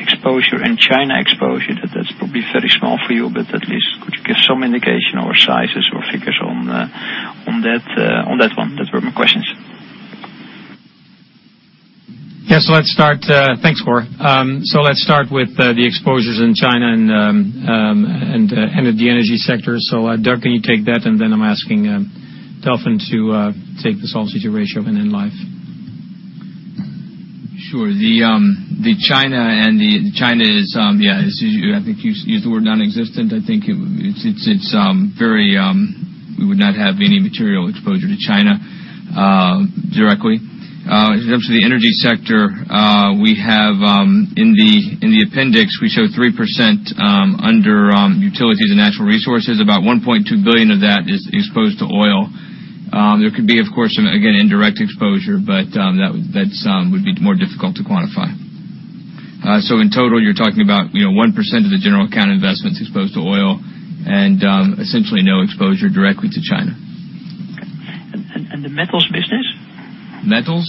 exposure and China exposure. That's probably very small for you, but at least could you give some indication or sizes or figures on that one? That's all my questions. Yes. Thanks, Cor. Let's start with the exposures in China and in the energy sector. Doug, can you take that? I'm asking Delfin to take the solvency ratio and Netherlands Life. Sure. The China is, I think you used the word nonexistent. I think we would not have any material exposure to China directly. In terms of the energy sector, we have in the appendix, we show 3% under utilities and natural resources. About 1.2 billion of that is exposed to oil. There could be, of course, again, indirect exposure, but that would be more difficult to quantify. In total, you're talking about 1% of the general account investments exposed to oil and essentially no exposure directly to China. Okay. The metals business? Metals?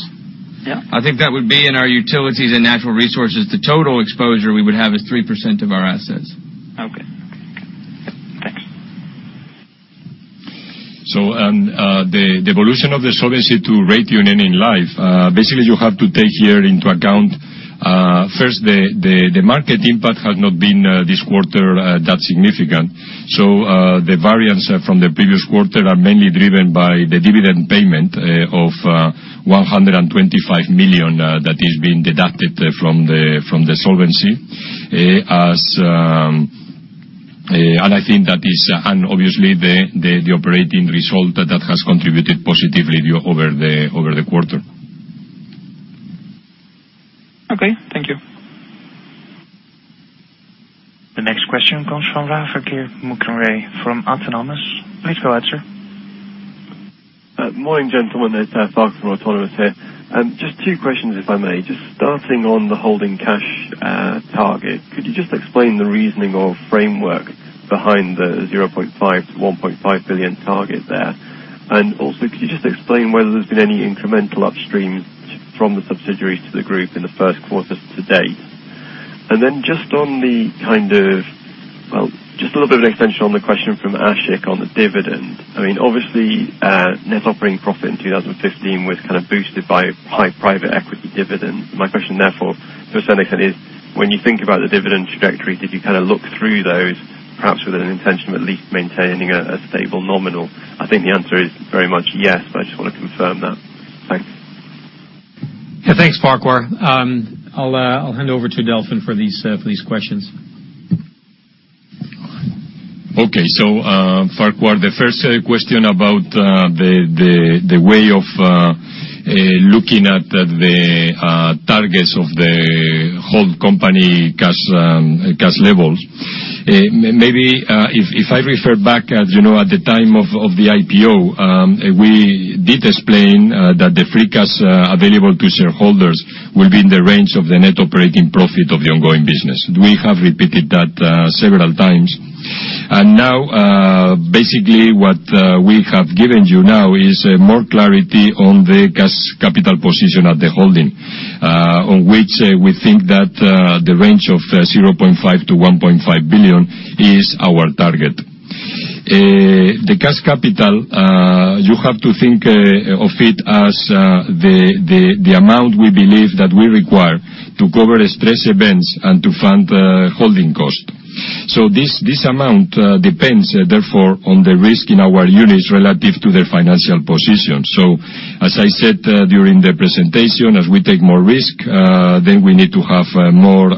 Yeah. I think that would be in our utilities and natural resources. The total exposure we would have is 3% of our assets. Okay. Thanks. The evolution of the Solvency II ratio in life, basically you have to take here into account, first, the market impact has not been this quarter that significant. The variance from the previous quarter are mainly driven by the dividend payment of 125 million that is being deducted from the Solvency. Obviously, the operating result that has contributed positively over the quarter. Okay. Thank you. The next question comes from Farquhar Murray from Autonomous. Please go ahead, sir. Morning, gentlemen. It's Farquhar from Autonomous here. Just two questions, if I may. Just starting on the holding cash target, could you just explain the reasoning or framework behind the 0.5 billion-1.5 billion target there? Also, could you just explain whether there's been any incremental upstreams from the subsidiaries to the group in the first quarter to date? Then just a little bit of an extension on the question from Ashik on the dividend. Obviously, net operating profit in 2015 was kind of boosted by high private equity dividend. My question therefore, to a certain extent is, when you think about the dividend trajectory, did you look through those perhaps with an intention of at least maintaining a stable nominal? I think the answer is very much yes, I just want to confirm that. Thanks. Thanks, Farquhar. I'll hand over to Delfin for these questions. Farquhar, the 1st question about the way of looking at the targets of the whole company cash levels. Maybe if I refer back at the time of the IPO, we did explain that the free cash available to shareholders will be in the range of the net operating profit of the ongoing business. We have repeated that several times. What we have given you now is more clarity on the cash capital position at the holding, on which we think that the range of 0.5 billion-1.5 billion is our target. The cash capital, you have to think of it as the amount we believe that we require to cover stress events and to fund the holding cost. This amount depends, therefore, on the risk in our units relative to their financial position. As I said during the presentation, as we take more risk, then we need to have more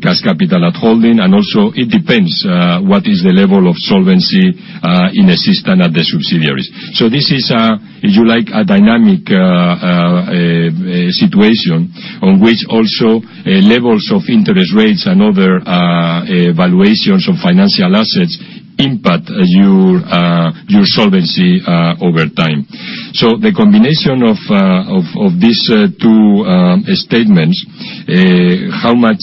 cash capital at holding, and also it depends what is the level of solvency in the system at the subsidiaries. This is a, if you like, a dynamic situation on which also levels of interest rates and other valuations of financial assets impact your solvency over time. The combination of these two statements, how much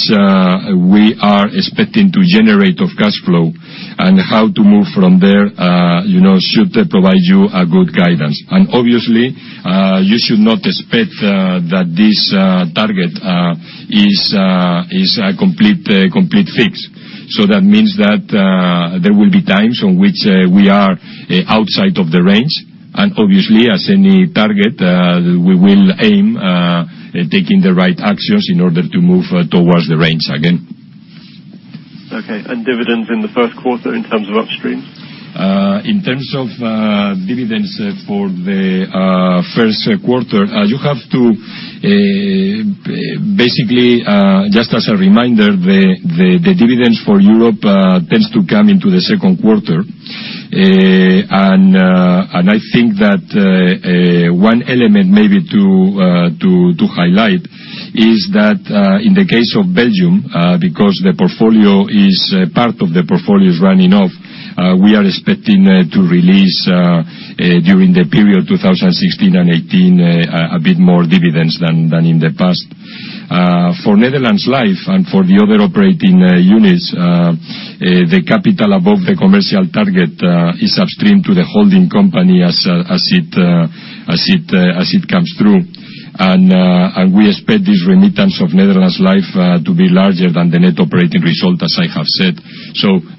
we are expecting to generate of cash flow and how to move from there should provide you a good guidance. Obviously, you should not expect that this target is a complete fix. That means that there will be times on which we are outside of the range, and obviously, as any target, we will aim taking the right actions in order to move towards the range again. Dividends in the 1st quarter in terms of upstream? In terms of dividends for the first quarter, basically, just as a reminder, the dividends for Europe tends to come into the second quarter. I think that one element maybe to highlight is that in the case of Belgium, because part of the portfolio is running off, we are expecting to release during the period 2016 and 2018, a bit more dividends than in the past. For Netherlands Life and for the other operating units, the capital above the commercial target is upstream to the holding company as it comes through. We expect this remittance of Netherlands Life to be larger than the net operating result, as I have said.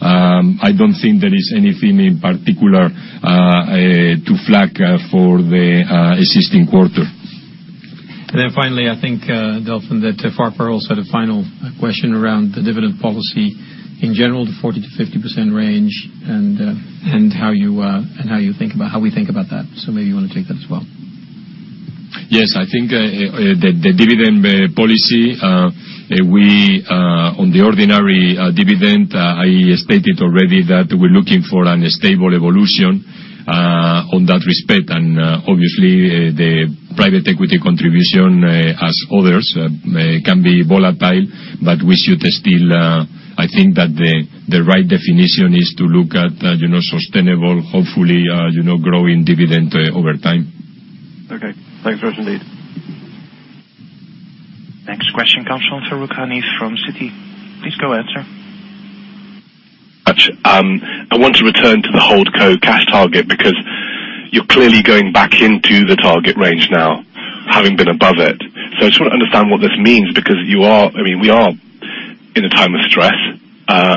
I don't think there is anything in particular to flag for the existing quarter. Finally, I think, Delfin, that Farquhar also had a final question around the dividend policy in general, the 40%-50% range, and how we think about that. Maybe you want to take that as well. Yes, I think the dividend policy, on the ordinary dividend, I stated already that we're looking for a stable evolution on that respect. Obviously, the private equity contribution as others can be volatile. I think that the right definition is to look at sustainable, hopefully, growing dividend over time. Okay. Thanks very much indeed. Next question comes from Farooq Hanif from Citi. Please go ahead, sir. I want to return to the hold co cash target because you're clearly going back into the target range now, having been above it. I just want to understand what this means because we are in a time of stress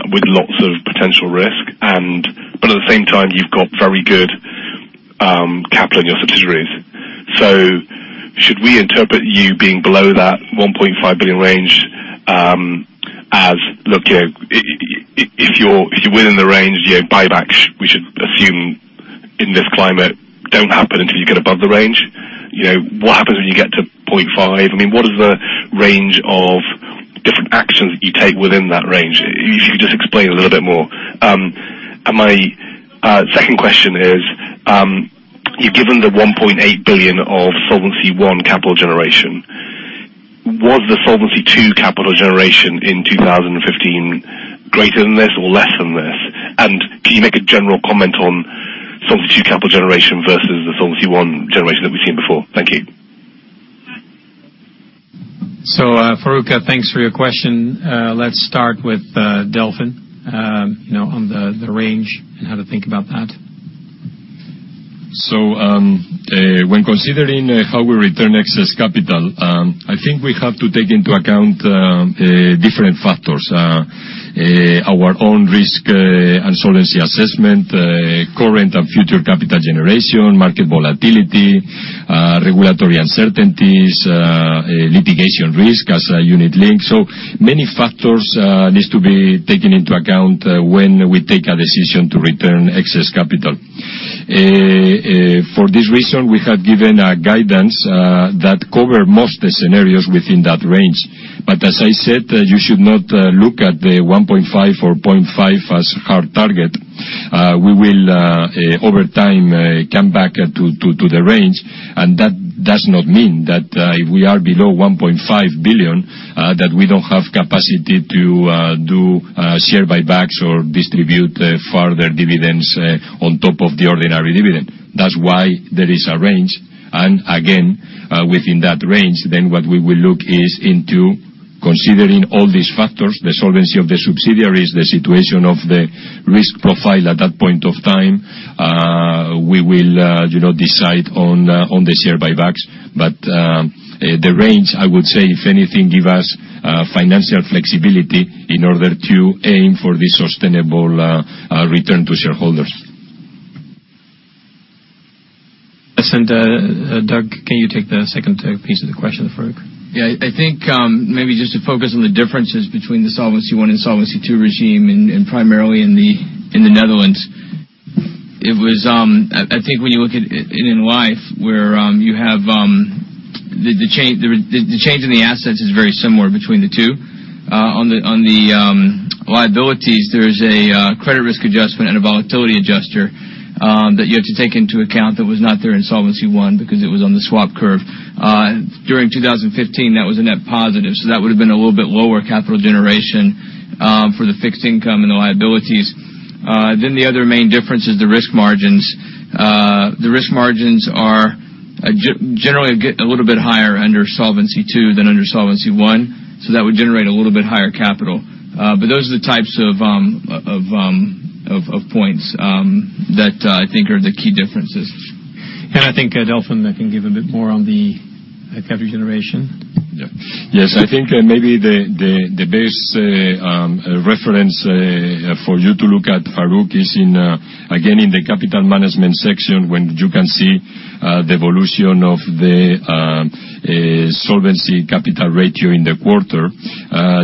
with lots of potential risk, but at the same time, you've got very good capital in your subsidiaries. Should we interpret you being below that 1.5 billion range as, look, if you're within the range, buybacks, we should assume in this climate don't happen until you get above the range. What happens when you get to 0.5 billion? What is the range of different actions that you take within that range? If you could just explain a little bit more. My second question is, you've given the 1.8 billion of Solvency I capital generation. Was the Solvency II capital generation in 2015 greater than this or less than this? Can you make a general comment on Solvency II capital generation versus the Solvency I generation that we've seen before? Thank you. Farooq, thanks for your question. Let's start with Delfin on the range and how to think about that. When considering how we return excess capital, I think we have to take into account different factors. Our own risk and solvency assessment, current and future capital generation, market volatility, regulatory uncertainties, litigation risk as a unit link. Many factors need to be taken into account when we take a decision to return excess capital. For this reason, we have given a guidance that cover most scenarios within that range. As I said, you should not look at the 1.5 billion or 0.5 billion as hard target. We will, over time, come back to the range, and that does not mean that if we are below 1.5 billion, that we don't have capacity to do share buybacks or distribute further dividends on top of the ordinary dividend. That's why there is a range. Again, within that range, then what we will look is into considering all these factors, the solvency of the subsidiaries, the situation of the risk profile at that point of time. We will decide on the share buybacks. The range, I would say, if anything, give us financial flexibility in order to aim for the sustainable return to shareholders. Doug, can you take the second piece of the question, Farooq? I think, maybe just to focus on the differences between the Solvency I and Solvency II regime, and primarily in the Netherlands. I think when you look at it in life, where the change in the assets is very similar between the two. On the liabilities, there is a credit risk adjustment and a volatility adjuster that you have to take into account that was not there in Solvency I because it was on the swap curve. During 2015, that was a net positive, so that would have been a little bit lower capital generation for the fixed income and the liabilities. The other main difference is the risk margins. The risk margins are generally a little bit higher under Solvency II than under Solvency I, so that would generate a little bit higher capital. Those are the types of points that I think are the key differences. I think Delfin can give a bit more on the capital generation. Yes. I think maybe the best reference for you to look at, Farooq, is again, in the capital management section, when you can see the evolution of the solvency capital ratio in the quarter.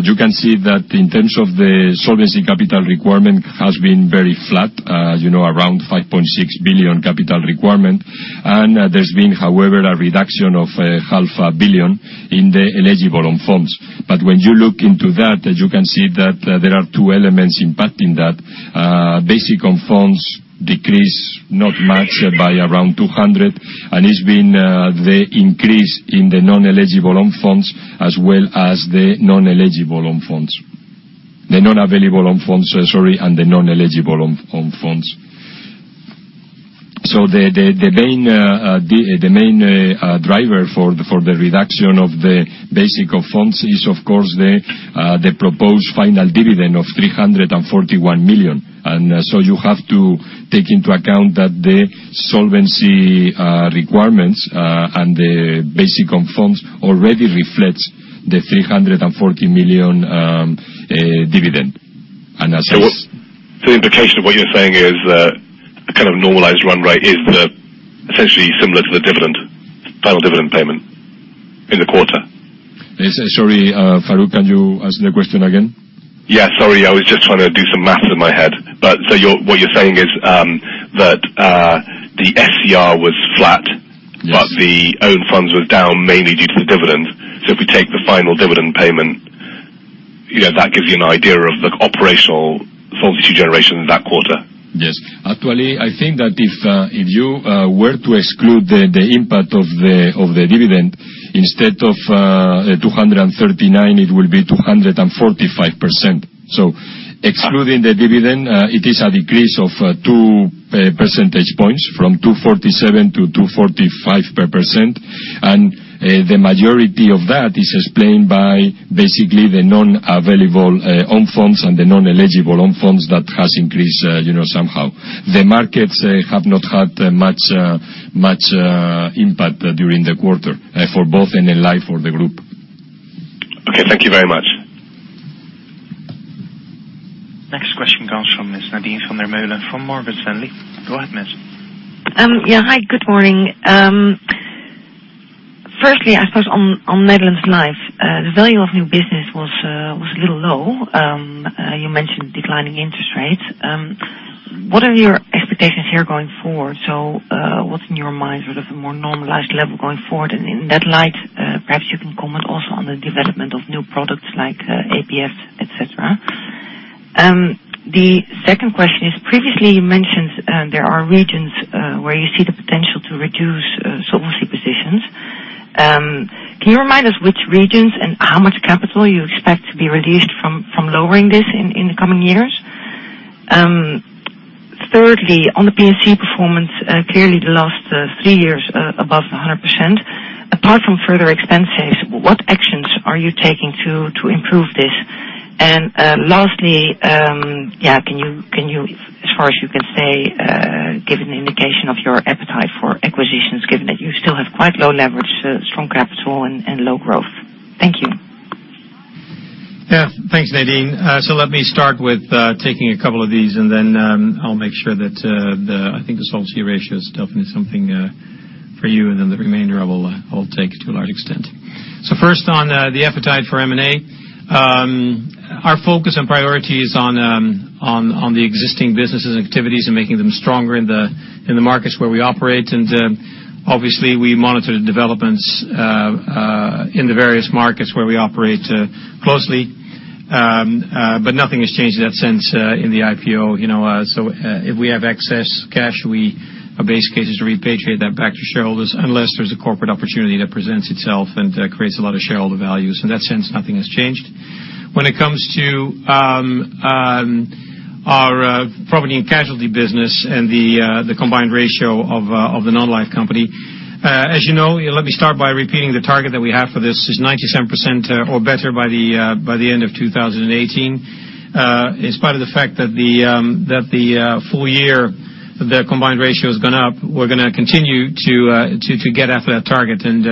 You can see that in terms of the solvency capital requirement has been very flat. Around 5.6 billion capital requirement. There has been, however, a reduction of half a billion EUR in the eligible own funds. When you look into that, you can see that there are two elements impacting that. Basic own funds decrease not much by around 200, and it has been the increase in the non-eligible own funds. The non-available own funds, sorry, and the non-eligible own funds. The main driver for the reduction of the basic own funds is, of course, the proposed final dividend of 341 million. You have to take into account that the solvency requirements, and the basic own funds already reflects the 340 million dividend. The implication of what you're saying is a kind of normalized run rate is essentially similar to the final dividend payment in the quarter. Sorry, Farooq, can you ask the question again? Yeah, sorry. I was just trying to do some math in my head. What you're saying is that the SCR was flat. Yes. The own funds were down mainly due to the dividend. If we take the final dividend payment, that gives you an idea of the operational solvency generation in that quarter. Yes. Actually, I think that if you were to exclude the impact of the dividend, instead of 239, it will be 245%. Excluding the dividend, it is a decrease of two percentage points from 247 to 245%. The majority of that is explained by basically the non-available own funds and the non-eligible own funds that has increased somehow. The markets have not had much impact during the quarter for both NN Life or the Group. Okay. Thank you very much. Next question comes from Ms. Nadine van der Velde from Morgan Stanley. Go ahead, ma'am. Hi, good morning. Firstly, I suppose on Netherlands Life, the value of new business was a little low. You mentioned declining interest rates. What are your expectations here going forward? What's in your mind sort of a more normalized level going forward? In that light, perhaps you can comment also on the development of new products like APFs, et cetera. The second question is, previously you mentioned there are regions where you see the potential to reduce solvency positions. Can you remind us which regions and how much capital you expect to be released from lowering this in the coming years? Thirdly, on the P&C performance, clearly the last three years above 100%. Apart from further expenses, what actions are you taking to improve this? Lastly, can you, as far as you can say, give an indication of your appetite for acquisitions, given that you still have quite low leverage, strong capital, and low growth? Thank you. Yeah. Thanks, Nadine. Let me start with taking a couple of these, and then I'll make sure that the, I think the solvency ratio is definitely something For you, and then the remainder I will take to a large extent. First, on the appetite for M&A. Our focus and priority is on the existing businesses and activities and making them stronger in the markets where we operate. Obviously, we monitor the developments in the various markets where we operate closely. Nothing has changed in that sense in the IPO. If we have excess cash, our base case is to repatriate that back to shareholders, unless there's a corporate opportunity that presents itself and creates a lot of shareholder value. In that sense, nothing has changed. When it comes to our property and casualty business and the combined ratio of the non-life company. As you know, let me start by repeating the target that we have for this is 97% or better by the end of 2018. In spite of the fact that the full year, the combined ratio has gone up, we're going to continue to get after that target and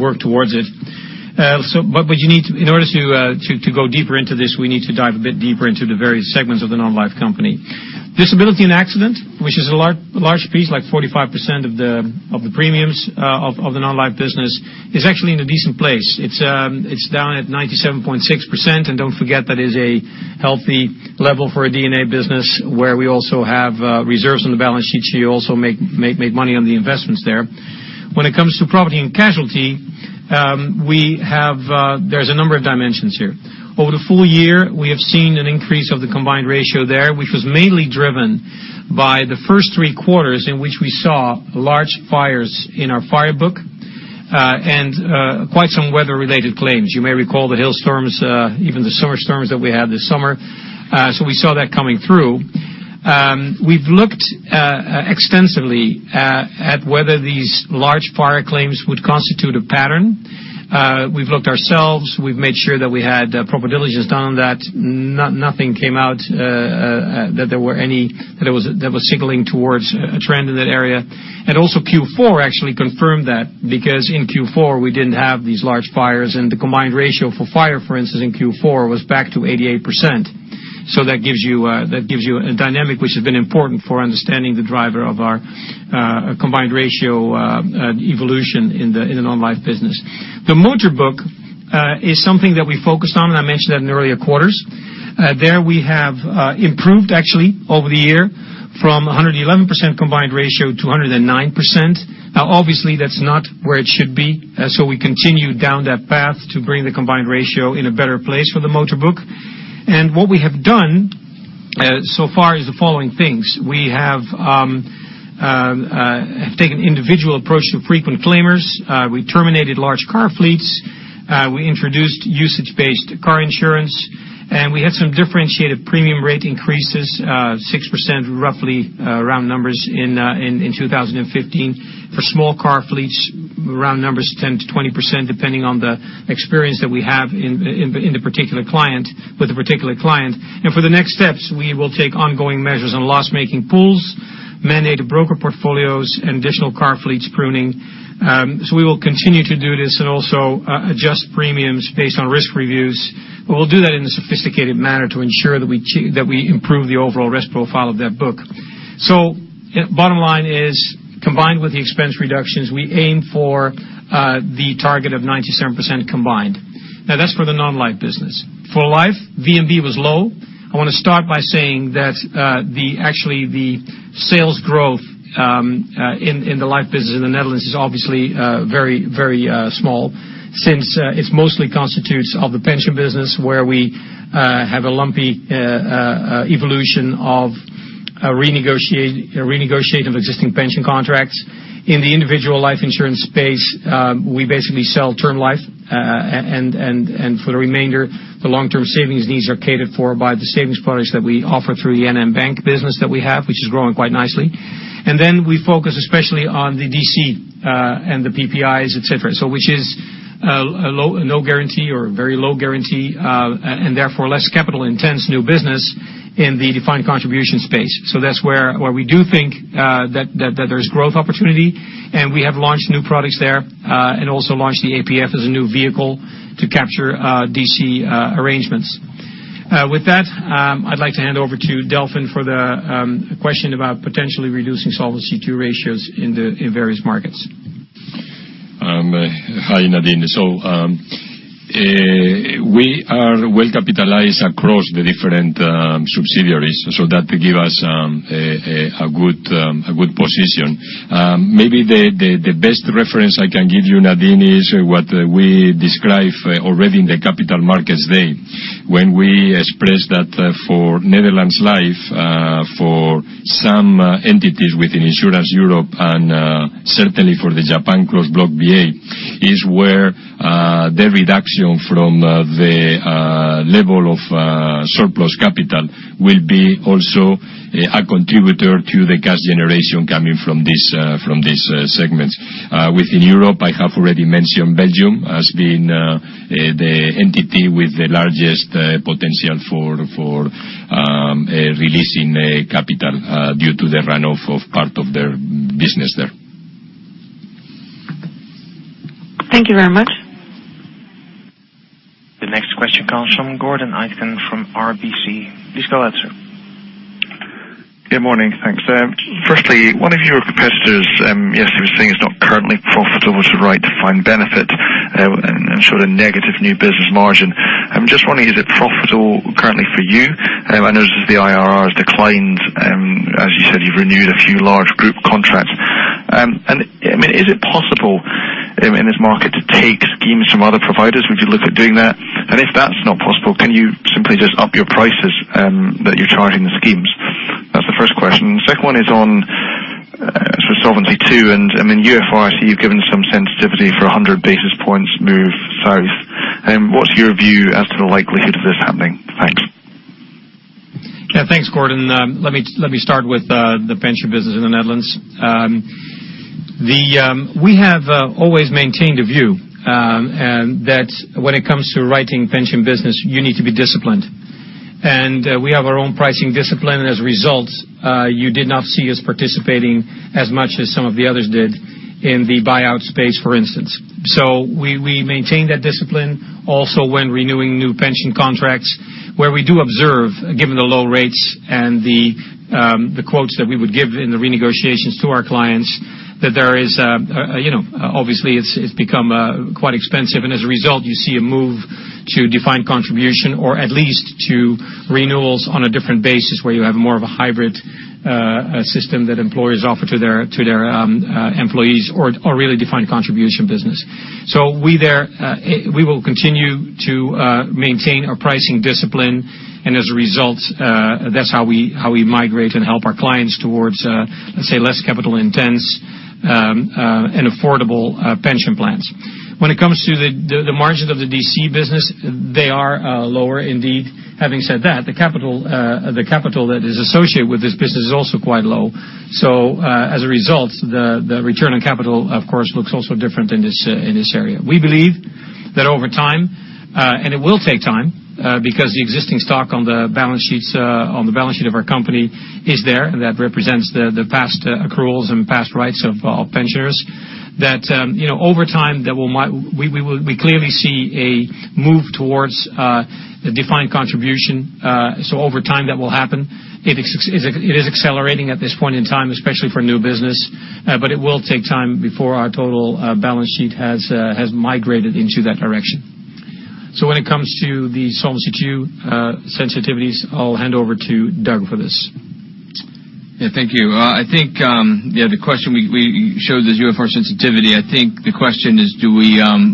work towards it. In order to go deeper into this, we need to dive a bit deeper into the various segments of the non-life company. Disability and accident, which is a large piece, like 45% of the premiums of the non-life business, is actually in a decent place. It's down at 97.6%, and don't forget that is a healthy level for a D&A business where we also have reserves on the balance sheet. You also make money on the investments there. When it comes to property and casualty, there's a number of dimensions here. Over the full year, we have seen an increase of the combined ratio there, which was mainly driven by the first three quarters in which we saw large fires in our fire book, and quite some weather related claims. You may recall the hail storms, even the summer storms that we had this summer. We saw that coming through. We've looked extensively at whether these large fire claims would constitute a pattern. We've looked ourselves. We've made sure that we had proper diligence done on that. Nothing came out that was signaling towards a trend in that area. Also Q4 actually confirmed that, because in Q4, we didn't have these large fires and the combined ratio for fire, for instance, in Q4 was back to 88%. That gives you a dynamic which has been important for understanding the driver of our combined ratio evolution in the non-life business. The motor book is something that we focused on, and I mentioned that in earlier quarters. There we have improved, actually, over the year from 111% combined ratio to 109%. Obviously that's not where it should be. We continue down that path to bring the combined ratio in a better place for the motor book. What we have done so far is the following things. We have taken individual approach to frequent claimers. We terminated large car fleets. We introduced usage-based car insurance. We had some differentiated premium rate increases, 6% roughly round numbers in 2015. For small car fleets, round numbers 10%-20%, depending on the experience that we have with a particular client. For the next steps, we will take ongoing measures on loss-making pools, mandated broker portfolios, and additional car fleets pruning. We will continue to do this and also adjust premiums based on risk reviews. We'll do that in a sophisticated manner to ensure that we improve the overall risk profile of that book. Bottom line is, combined with the expense reductions, we aim for the target of 97% combined. That's for the non-life business. For life, VNB was low. I want to start by saying that actually the sales growth in the life business in the Netherlands is obviously very small since it mostly constitutes of the pension business where we have a lumpy evolution of renegotiating of existing pension contracts. In the individual life insurance space, we basically sell term life. For the remainder, the long-term savings needs are catered for by the savings products that we offer through the NN Bank business that we have, which is growing quite nicely. We focus especially on the DC and the PPI, et cetera. Which is no guarantee or very low guarantee, and therefore less capital intense new business in the defined contribution space. That's where we do think that there's growth opportunity. We have launched new products there, and also launched the APF as a new vehicle to capture DC arrangements. With that, I'd like to hand over to Delfin for the question about potentially reducing Solvency II ratios in various markets. Hi, Nadine. We are well capitalized across the different subsidiaries, that give us a good position. Maybe the best reference I can give you, Nadine, is what we described already in the Capital Markets Day. We expressed that for Netherlands Life, for some entities within Insurance Europe, and certainly for the Japan Closed Block VA, is where the reduction from the level of surplus capital will be also a contributor to the cash generation coming from these segments. Within Europe, I have already mentioned Belgium as being the entity with the largest potential for releasing capital due to the run-off of part of their business there. Thank you very much. Gordon Aitken from RBC. Please go ahead, sir. Good morning. Thanks. Firstly, one of your competitors yesterday was saying it's not currently profitable to write defined benefit and showed a negative new business margin. I'm just wondering, is it profitable currently for you? I notice the IRR has declined. As you said, you've renewed a few large group contracts. Is it possible in this market to take schemes from other providers? Would you look at doing that? If that's not possible, can you simply just up your prices that you're charging the schemes? That's the first question. The second one is on Solvency II. In UFR, I see you've given some sensitivity for 100 basis points move south. What's your view as to the likelihood of this happening? Thanks. Thanks, Gordon. Let me start with the pension business in the Netherlands. We have always maintained a view that when it comes to writing pension business, you need to be disciplined. We have our own pricing discipline, and as a result, you did not see us participating as much as some of the others did in the buyout space, for instance. We maintain that discipline also when renewing new pension contracts, where we do observe, given the low rates and the quotes that we would give in the renegotiations to our clients, that obviously it's become quite expensive. As a result, you see a move to defined contribution, or at least to renewals on a different basis, where you have more of a hybrid system that employers offer to their employees or really defined contribution business. We will continue to maintain our pricing discipline, and as a result, that's how we migrate and help our clients towards, let's say, less capital-intensive and affordable pension plans. When it comes to the margin of the DC business, they are lower indeed. Having said that, the capital that is associated with this business is also quite low. As a result, the return on capital, of course, looks also different in this area. We believe that over time, and it will take time because the existing stock on the balance sheet of our company is there, and that represents the past accruals and past rights of pensioners. That over time, we clearly see a move towards a defined contribution. Over time, that will happen. It is accelerating at this point in time, especially for new business, but it will take time before our total balance sheet has migrated into that direction. When it comes to the Solvency II sensitivities, I'll hand over to Doug for this. Thank you. I think the question we showed is UFR sensitivity. I think the question is,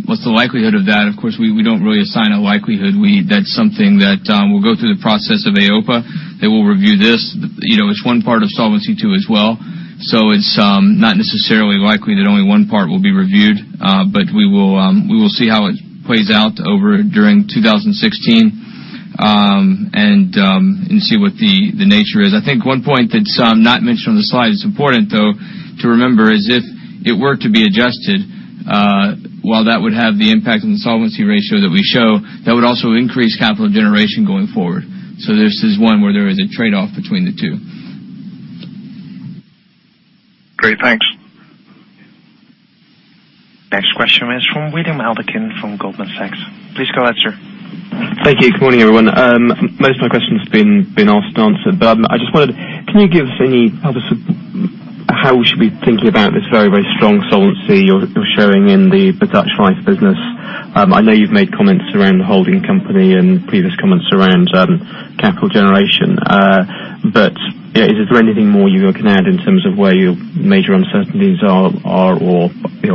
what's the likelihood of that? Of course, we don't really assign a likelihood. That's something that will go through the process of EIOPA. They will review this. It's one part of Solvency II as well. It's not necessarily likely that only one part will be reviewed. We will see how it plays out during 2016, and see what the nature is. I think one point that's not mentioned on the slide is important, though, to remember, is if it were to be adjusted, while that would have the impact on the solvency ratio that we show, that would also increase capital generation going forward. This is one where there is a trade-off between the two. Great. Thanks. Next question is from William [Albuquen] from Goldman Sachs. Please go ahead, sir. Thank you. Good morning, everyone. Most of my question has been asked and answered, I just wondered, can you give us any other how we should be thinking about this very, very strong solvency you're showing in the Dutch Life business? I know you've made comments around the holding company and previous comments around capital generation. Is there anything more you can add in terms of where your major uncertainties are, or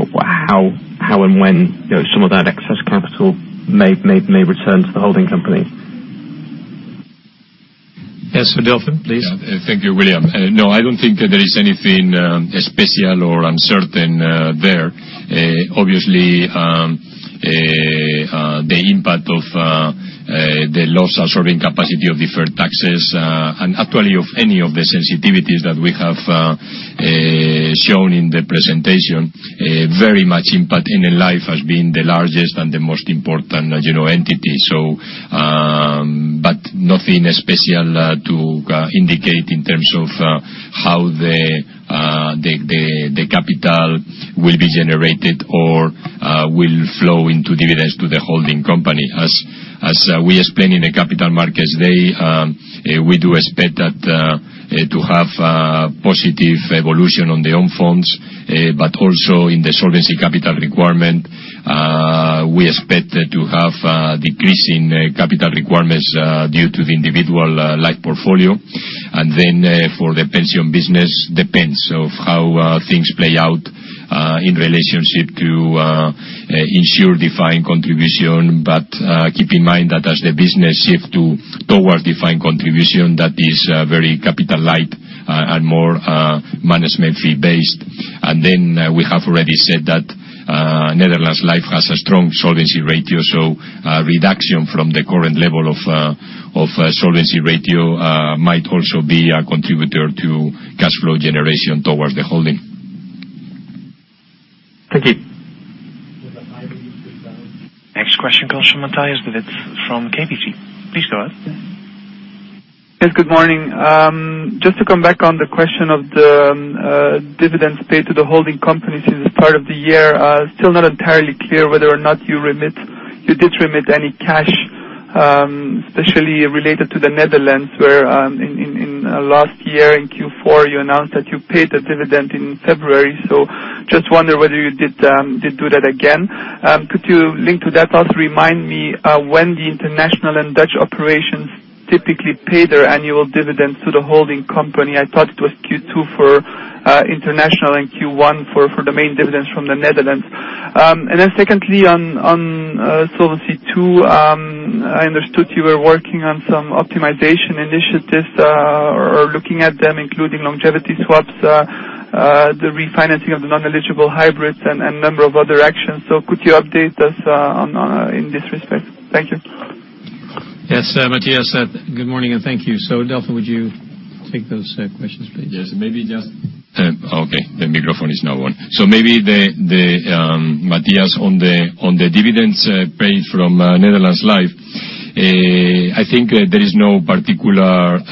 how and when some of that excess capital may return to the holding company? Yes. Delfin, please. Thank you, William. No, I don't think that there is anything special or uncertain there. Obviously, the impact of the Loss-Absorbing Capacity of Deferred Taxes, and actually of any of the sensitivities that we have shown in the presentation, very much impact in Life as being the largest and the most important general entity. Nothing special to indicate in terms of how the capital will be generated or will flow into dividends to the holding company. As we explained in the Capital Markets Day, we do expect to have a positive evolution on the own funds, but also in the Solvency Capital Requirement. We expect to have decreasing capital requirements due to the individual Life portfolio. For the pension business, depends on how things play out in relationship to ensure Defined Contribution. Keep in mind that as the business shift towards Defined Contribution, that is very capital light and more management fee based. We have already said that Netherlands Life has a strong solvency ratio. A reduction from the current level of solvency ratio might also be a contributor to cash flow generation towards the holding. Thank you. Next question comes from Matthijs van den Adel from KBC. Please go ahead. Yes, good morning. To come back on the question of the dividends paid to the holding companies as part of the year. Still not entirely clear whether or not you did remit any cash, especially related to the Netherlands, where in last year in Q4, you announced that you paid the dividend in February. Wonder whether you did do that again. Could you link to that, also remind me when the international and Dutch operations typically pay their annual dividends to the holding company? I thought it was Q2 for international and Q1 for the main dividends from the Netherlands. Secondly, on Solvency II, I understood you were working on some optimization initiatives or looking at them, including longevity swaps, the refinancing of the non-eligible hybrids, and a number of other actions. Could you update us in this respect? Thank you. Yes. Matthijs, good morning, and thank you. Delfin, would you take those questions, please? Yes. Okay. The microphone is now on. Matthijs, on the dividends paid from Netherlands Life, I think there is no particular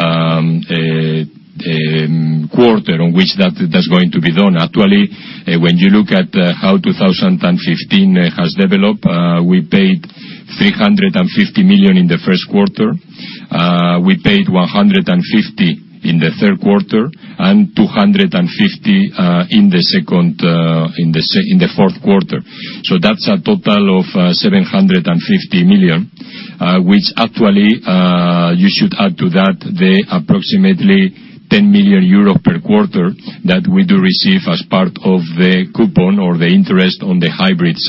quarter on which that's going to be done. Actually, when you look at how 2015 has developed, we paid 350 million in the first quarter. We paid 150 million in the 3rd quarter, and 250 million in the 4th quarter. That's a total of 750 million, which actually, you should add to that approximately 10 million euros per quarter that we do receive as part of the coupon or the interest on the hybrids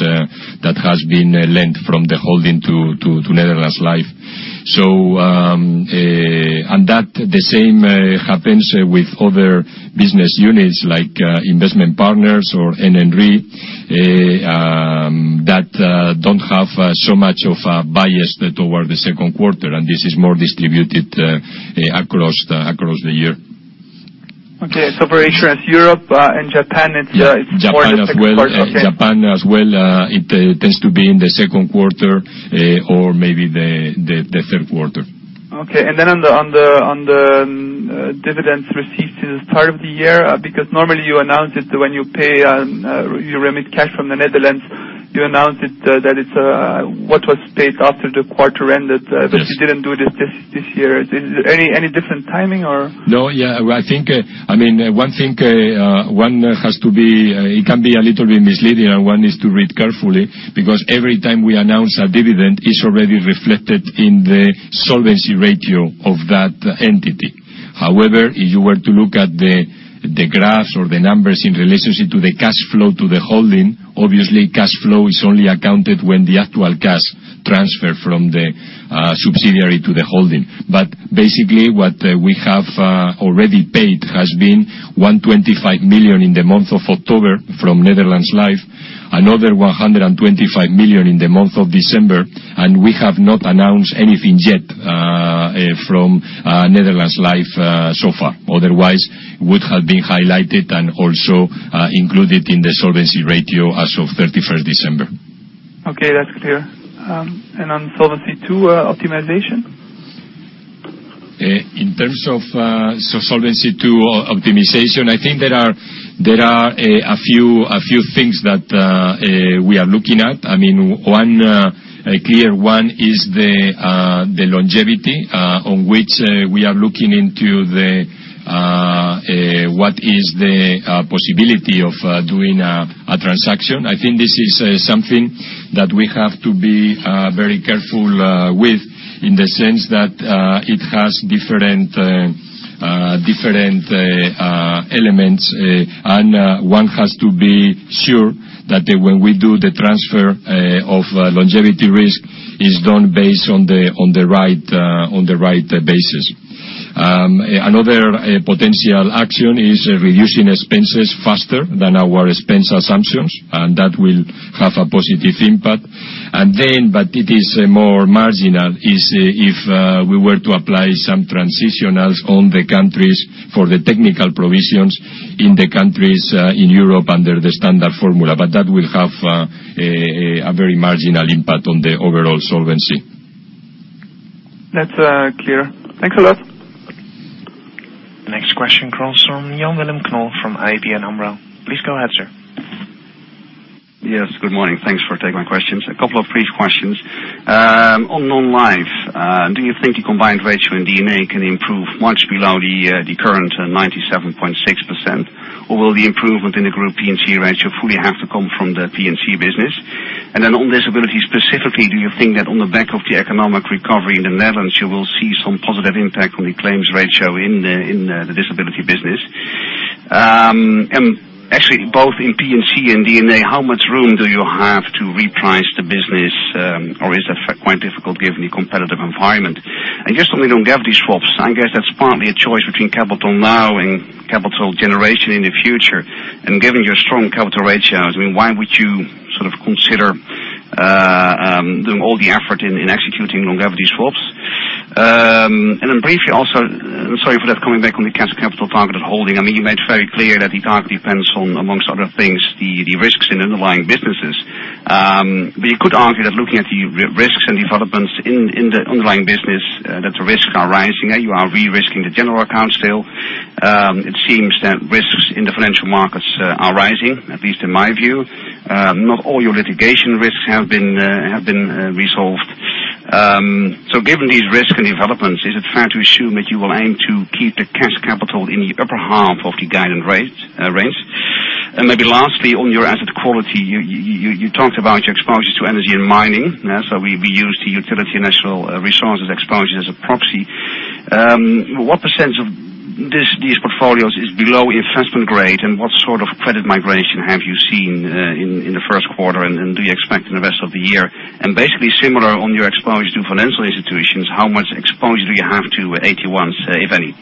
that has been lent from the holding to Netherlands Life. The same happens with other business units, like NN Investment Partners or NN Re, that don't have so much of a bias toward the 2nd quarter, and this is more distributed across the year. Okay. For Insurance Europe and Japan, it's- Yeah. -more the second quarter. Japan as well. Okay. Japan as well, it tends to be in the second quarter or maybe the third quarter. Okay. on the dividends received in this part of the year, because normally you announce it when you remit cash from the Netherlands, you announce it that what was paid after the quarter ended. Yes. You didn't do this this year. Any different timing or? No. I think, one has to be, it can be a little bit misleading, and one is to read carefully, because every time we announce a dividend, it's already reflected in the solvency ratio of that entity. However, if you were to look at the graphs or the numbers in relationship to the cash flow to the holding, obviously cash flow is only accounted when the actual cash transfer from the subsidiary to the holding. Basically, what we have already paid has been 125 million in the month of October from Netherlands Life, another 125 million in the month of December, and we have not announced anything yet from Netherlands Life so far. Otherwise, would have been highlighted and also included in the solvency ratio as of 31st December. Okay, that's clear. On Solvency II optimization? In terms of Solvency II optimization, I think there are a few things that we are looking at. One clear one is the longevity, on which we are looking into what is the possibility of doing a transaction. I think this is something that we have to be very careful with in the sense that it has different elements, and one has to be sure that when we do the transfer of longevity risk, it's done based on the right basis. Another potential action is reducing expenses faster than our expense assumptions, and that will have a positive impact. It is more marginal, is if we were to apply some transitionals on the countries for the technical provisions in the countries in Europe under the standard formula. That will have a very marginal impact on the overall solvency. That's clear. Thanks a lot. Next question comes from Jan Willem Knoll from ABN AMRO. Please go ahead, sir. Yes, good morning. Thanks for taking my questions. A couple of brief questions. On non-life, do you think the combined ratio in D&A can improve much below the current 97.6%? Or will the improvement in the group P&C ratio fully have to come from the P&C business? Then on disability, specifically, do you think that on the back of the economic recovery in the Netherlands, you will see some positive impact on the claims ratio in the disability business? Actually, both in P&C and D&A, how much room do you have to reprice the business? Or is that quite difficult given the competitive environment? Just on the longevity swaps, I guess that's partly a choice between capital now and capital generation in the future. Given your strong capital ratios, why would you sort of consider doing all the effort in executing longevity swaps? Then briefly also, sorry for that, coming back on the capital target of holding. You made very clear that the target depends on, amongst other things, the risks in underlying businesses. You could argue that looking at the risks and developments in the underlying business, that the risks are rising. You are re-risking the general account still. It seems that risks in the financial markets are rising, at least in my view. Not all your litigation risks have been resolved. Given these risks and developments, is it fair to assume that you will aim to keep the cash capital in the upper half of the guided range? Maybe lastly, on your asset quality, you talked about your exposure to energy and mining. We use the utility and natural resources exposure as a proxy. What % of these portfolios is below investment grade, and what sort of credit migration have you seen in the first quarter, and do you expect in the rest of the year? Basically similar on your exposure to financial institutions, how much exposure do you have to AT1s, if any?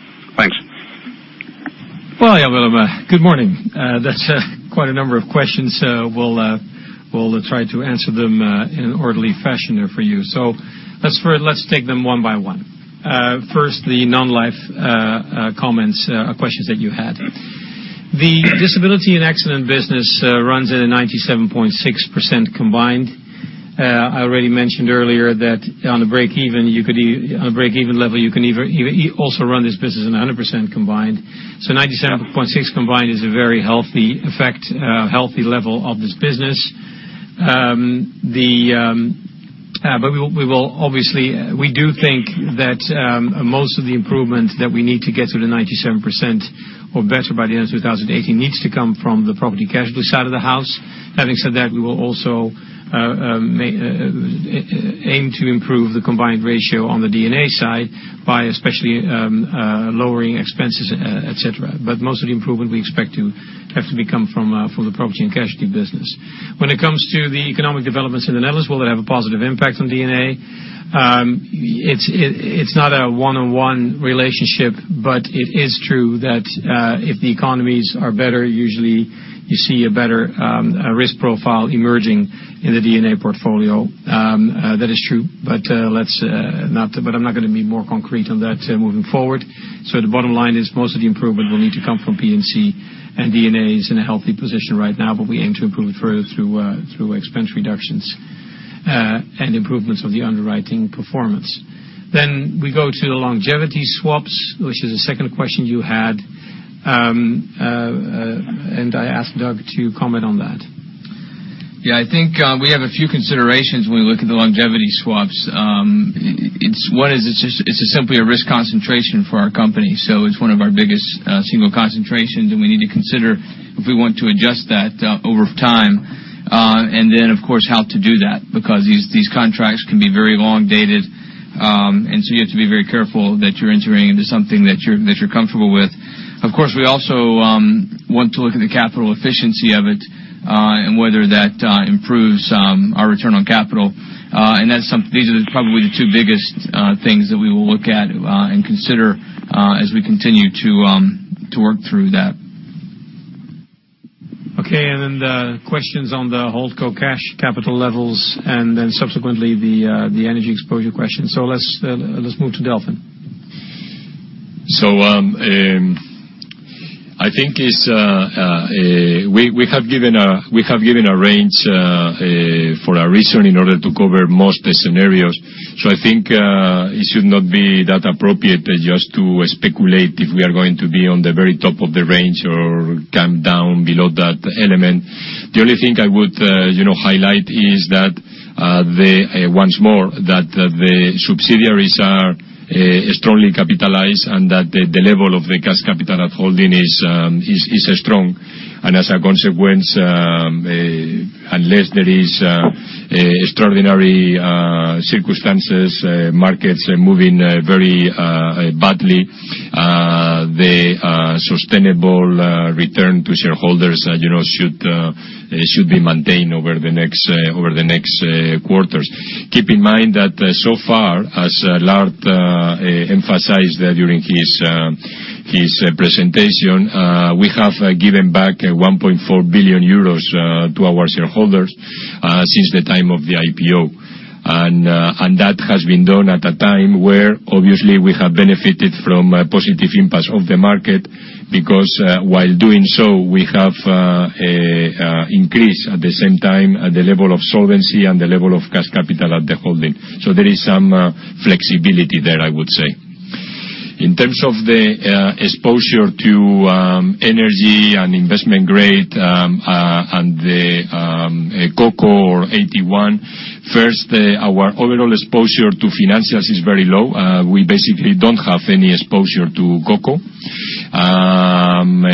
Thanks. Well, good morning. That's quite a number of questions. We'll try to answer them in an orderly fashion for you. Let's take them one by one. First, the non-life questions that you had. The disability and accident business runs at a 97.6% combined. I already mentioned earlier that on a break-even level, you can also run this business at 100% combined. 97.6 combined is a very healthy level of this business. Obviously, we do think that most of the improvement that we need to get to the 97% or better by the end of 2018 needs to come from the property casualty side of the house. Having said that, we will also aim to improve the combined ratio on the D&A side by especially lowering expenses, et cetera. Most of the improvement we expect to have to come from the property and casualty business. When it comes to the economic developments in the Netherlands, will it have a positive impact on D&A? It's not a one-on-one relationship, but it is true that if the economies are better, usually you see a better risk profile emerging in the D&A portfolio. That is true, but I'm not going to be more concrete on that moving forward. The bottom line is most of the improvement will need to come from P&C, and D&A is in a healthy position right now, but we aim to improve it further through expense reductions and improvements of the underwriting performance. Then we go to the longevity swaps, which is the second question you had. I ask Doug to comment on that. Yeah, I think we have a few considerations when we look at the longevity swaps. One is it's simply a risk concentration for our company, so it's one of our biggest single concentrations, and we need to consider if we want to adjust that over time. Then, of course, how to do that, because these contracts can be very long dated. So you have to be very careful that you're entering into something that you're comfortable with. Of course, we also want to look at the capital efficiency of it, and whether that improves our return on capital. These are probably the two biggest things that we will look at and consider as we continue to work through that. Okay, the questions on the holdco cash capital levels subsequently the energy exposure question. Let's move to Delfin. We have given a range for a reason in order to cover most scenarios. I think it should not be that appropriate just to speculate if we are going to be on the very top of the range or come down below that element. The only thing I would highlight once more, that the subsidiaries are strongly capitalized, and that the level of the cash capital at holding is strong. As a consequence, unless there is extraordinary circumstances, markets are moving very badly, the sustainable return to shareholders should be maintained over the next quarters. Keep in mind that so far, as Lard emphasized during his presentation, we have given back 1.4 billion euros to our shareholders since the time of the IPO. That has been done at a time where obviously we have benefited from positive impacts of the market, because while doing so, we have increased at the same time the level of solvency and the level of cash capital at the holding. There is some flexibility there, I would say. In terms of the exposure to energy and investment grade and the CoCo or AT1, first, our overall exposure to financials is very low. We basically don't have any exposure to CoCo.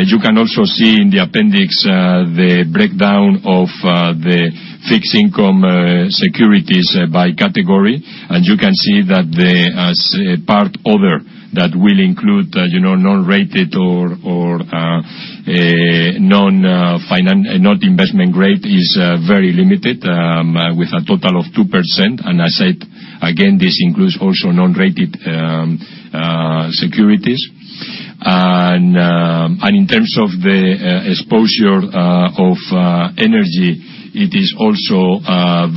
You can also see in the appendix the breakdown of the fixed-income securities by category. You can see that as part other, that will include non-rated or not investment grade is very limited, with a total of 2%. I said, again, this includes also non-rated securities. In terms of the exposure of energy, it is also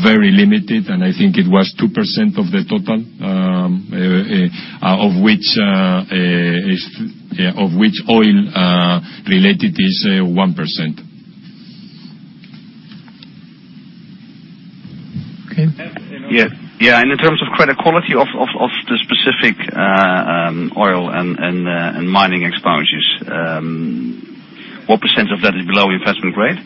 very limited, and I think it was 2% of the total, of which oil related is 1%. Okay. Yeah. In terms of credit quality of the specific oil and mining exposures, what % of that is below investment grade?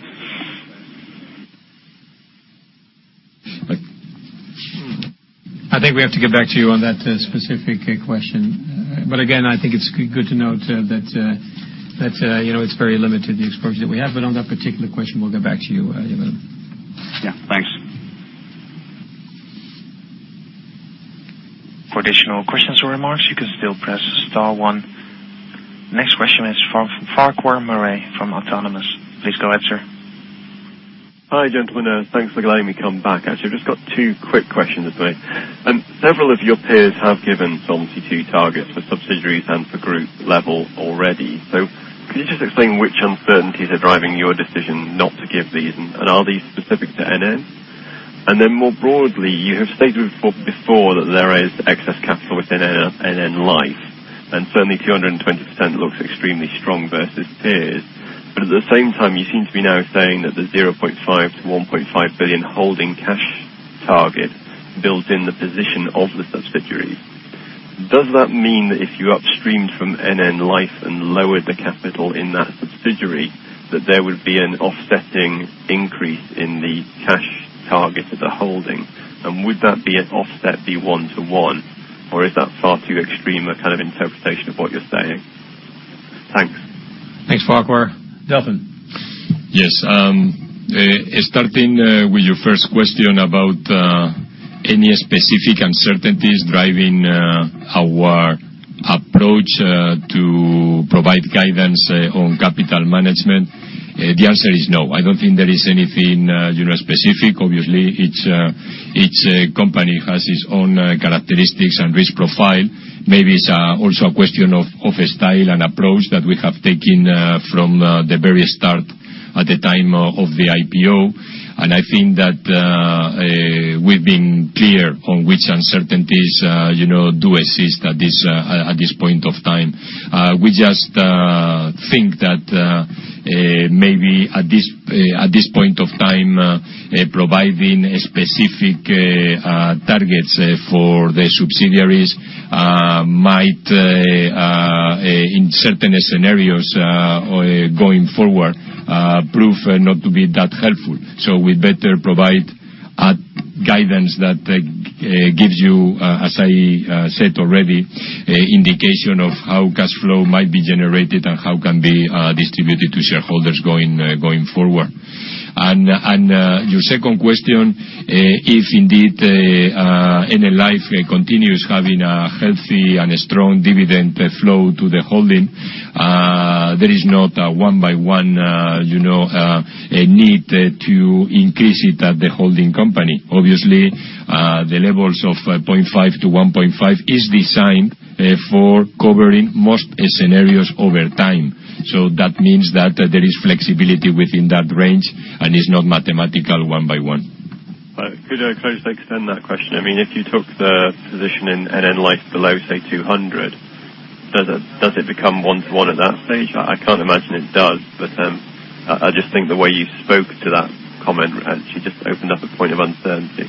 I think we have to get back to you on that specific question. Again, I think it's good to note that it's very limited, the exposure that we have. On that particular question, we'll get back to you, Willem. Yeah, thanks. For additional questions or remarks, you can still press star one. Next question is from Farquhar Murray from Autonomous. Please go ahead, sir. Hi, gentlemen. Thanks for letting me come back. I just have two quick questions for you. Several of your peers have given Solvency II targets for subsidiaries and for group level already. Could you just explain which uncertainties are driving your decision not to give these, and are these specific to NN? More broadly, you have stated before that there is excess capital within NN Life, and certainly 220% looks extremely strong versus peers. At the same time, you seem to be now saying that the 0.5 billion-1.5 billion holding cash target builds in the position of the subsidiaries. Does that mean that if you upstreamed from NN Life and lowered the capital in that subsidiary, that there would be an offsetting increase in the cash target of the holding, and would that be an offset be one to one, or is that far too extreme a kind of interpretation of what you're saying? Thanks. Thanks, Farquhar. Delfin. Yes. Starting with your first question about any specific uncertainties driving our approach to provide guidance on capital management, the answer is no. I don't think there is anything specific. Obviously, each company has its own characteristics and risk profile. Maybe it's also a question of style and approach that we have taken from the very start at the time of the IPO. I think that we've been clear on which uncertainties do exist at this point of time. We just think that maybe at this point of time, providing specific targets for the subsidiaries might, in certain scenarios going forward, prove not to be that helpful. We better provide a guidance that gives you, as I said already, indication of how cash flow might be generated and how it can be distributed to shareholders going forward. Your second question, if indeed NN Life continues having a healthy and a strong dividend flow to the holding, there is not a one by one need to increase it at the holding company. Obviously, the levels of 0.5 to 1.5 is designed for covering most scenarios over time. That means that there is flexibility within that range and it's not mathematical one by one. Could I just extend that question? If you took the position in NN Life below, say, 200, does it become one to one at that stage? I can't imagine it does, but I just think the way you spoke to that comment, it just opened up a point of uncertainty.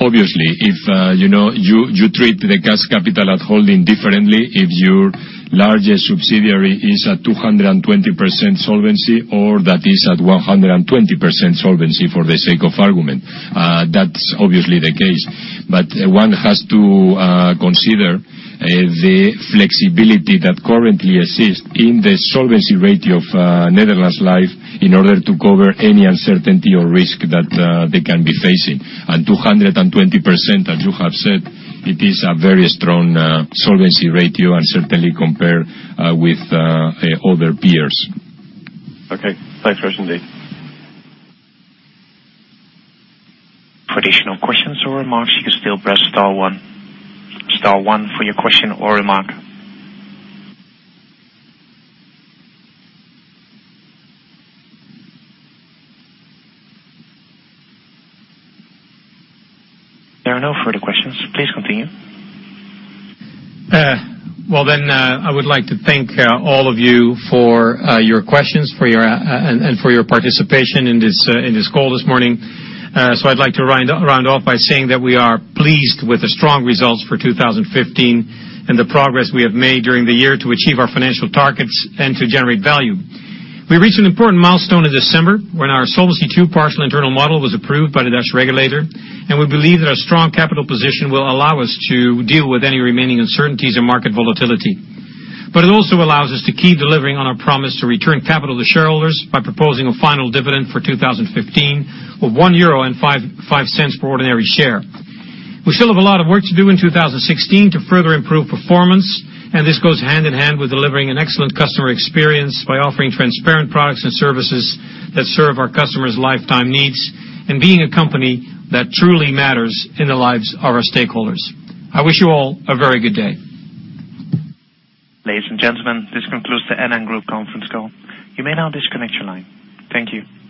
Obviously, you treat the cash capital at holding differently if your largest subsidiary is at 220% solvency or that is at 120% solvency for the sake of argument. That's obviously the case. One has to consider the flexibility that currently exists in the solvency ratio of Netherlands Life in order to cover any uncertainty or risk that they can be facing. 220%, as you have said, it is a very strong solvency ratio, and certainly compared with other peers. Okay. Thanks very much indeed. For additional questions or remarks, you can still press star one. Star one for your question or remark. There are no further questions. Please continue. I would like to thank all of you for your questions and for your participation in this call this morning. I'd like to round off by saying that we are pleased with the strong results for 2015 and the progress we have made during the year to achieve our financial targets and to generate value. We reached an important milestone in December when our Solvency II partial internal model was approved by the Dutch regulator. We believe that our strong capital position will allow us to deal with any remaining uncertainties in market volatility. It also allows us to keep delivering on our promise to return capital to shareholders by proposing a final dividend for 2015 of 1.05 euro for ordinary share. We still have a lot of work to do in 2016 to further improve performance. This goes hand in hand with delivering an excellent customer experience by offering transparent products and services that serve our customers' lifetime needs, being a company that truly matters in the lives of our stakeholders. I wish you all a very good day. Ladies and gentlemen, this concludes the NN Group conference call. You may now disconnect your line. Thank you.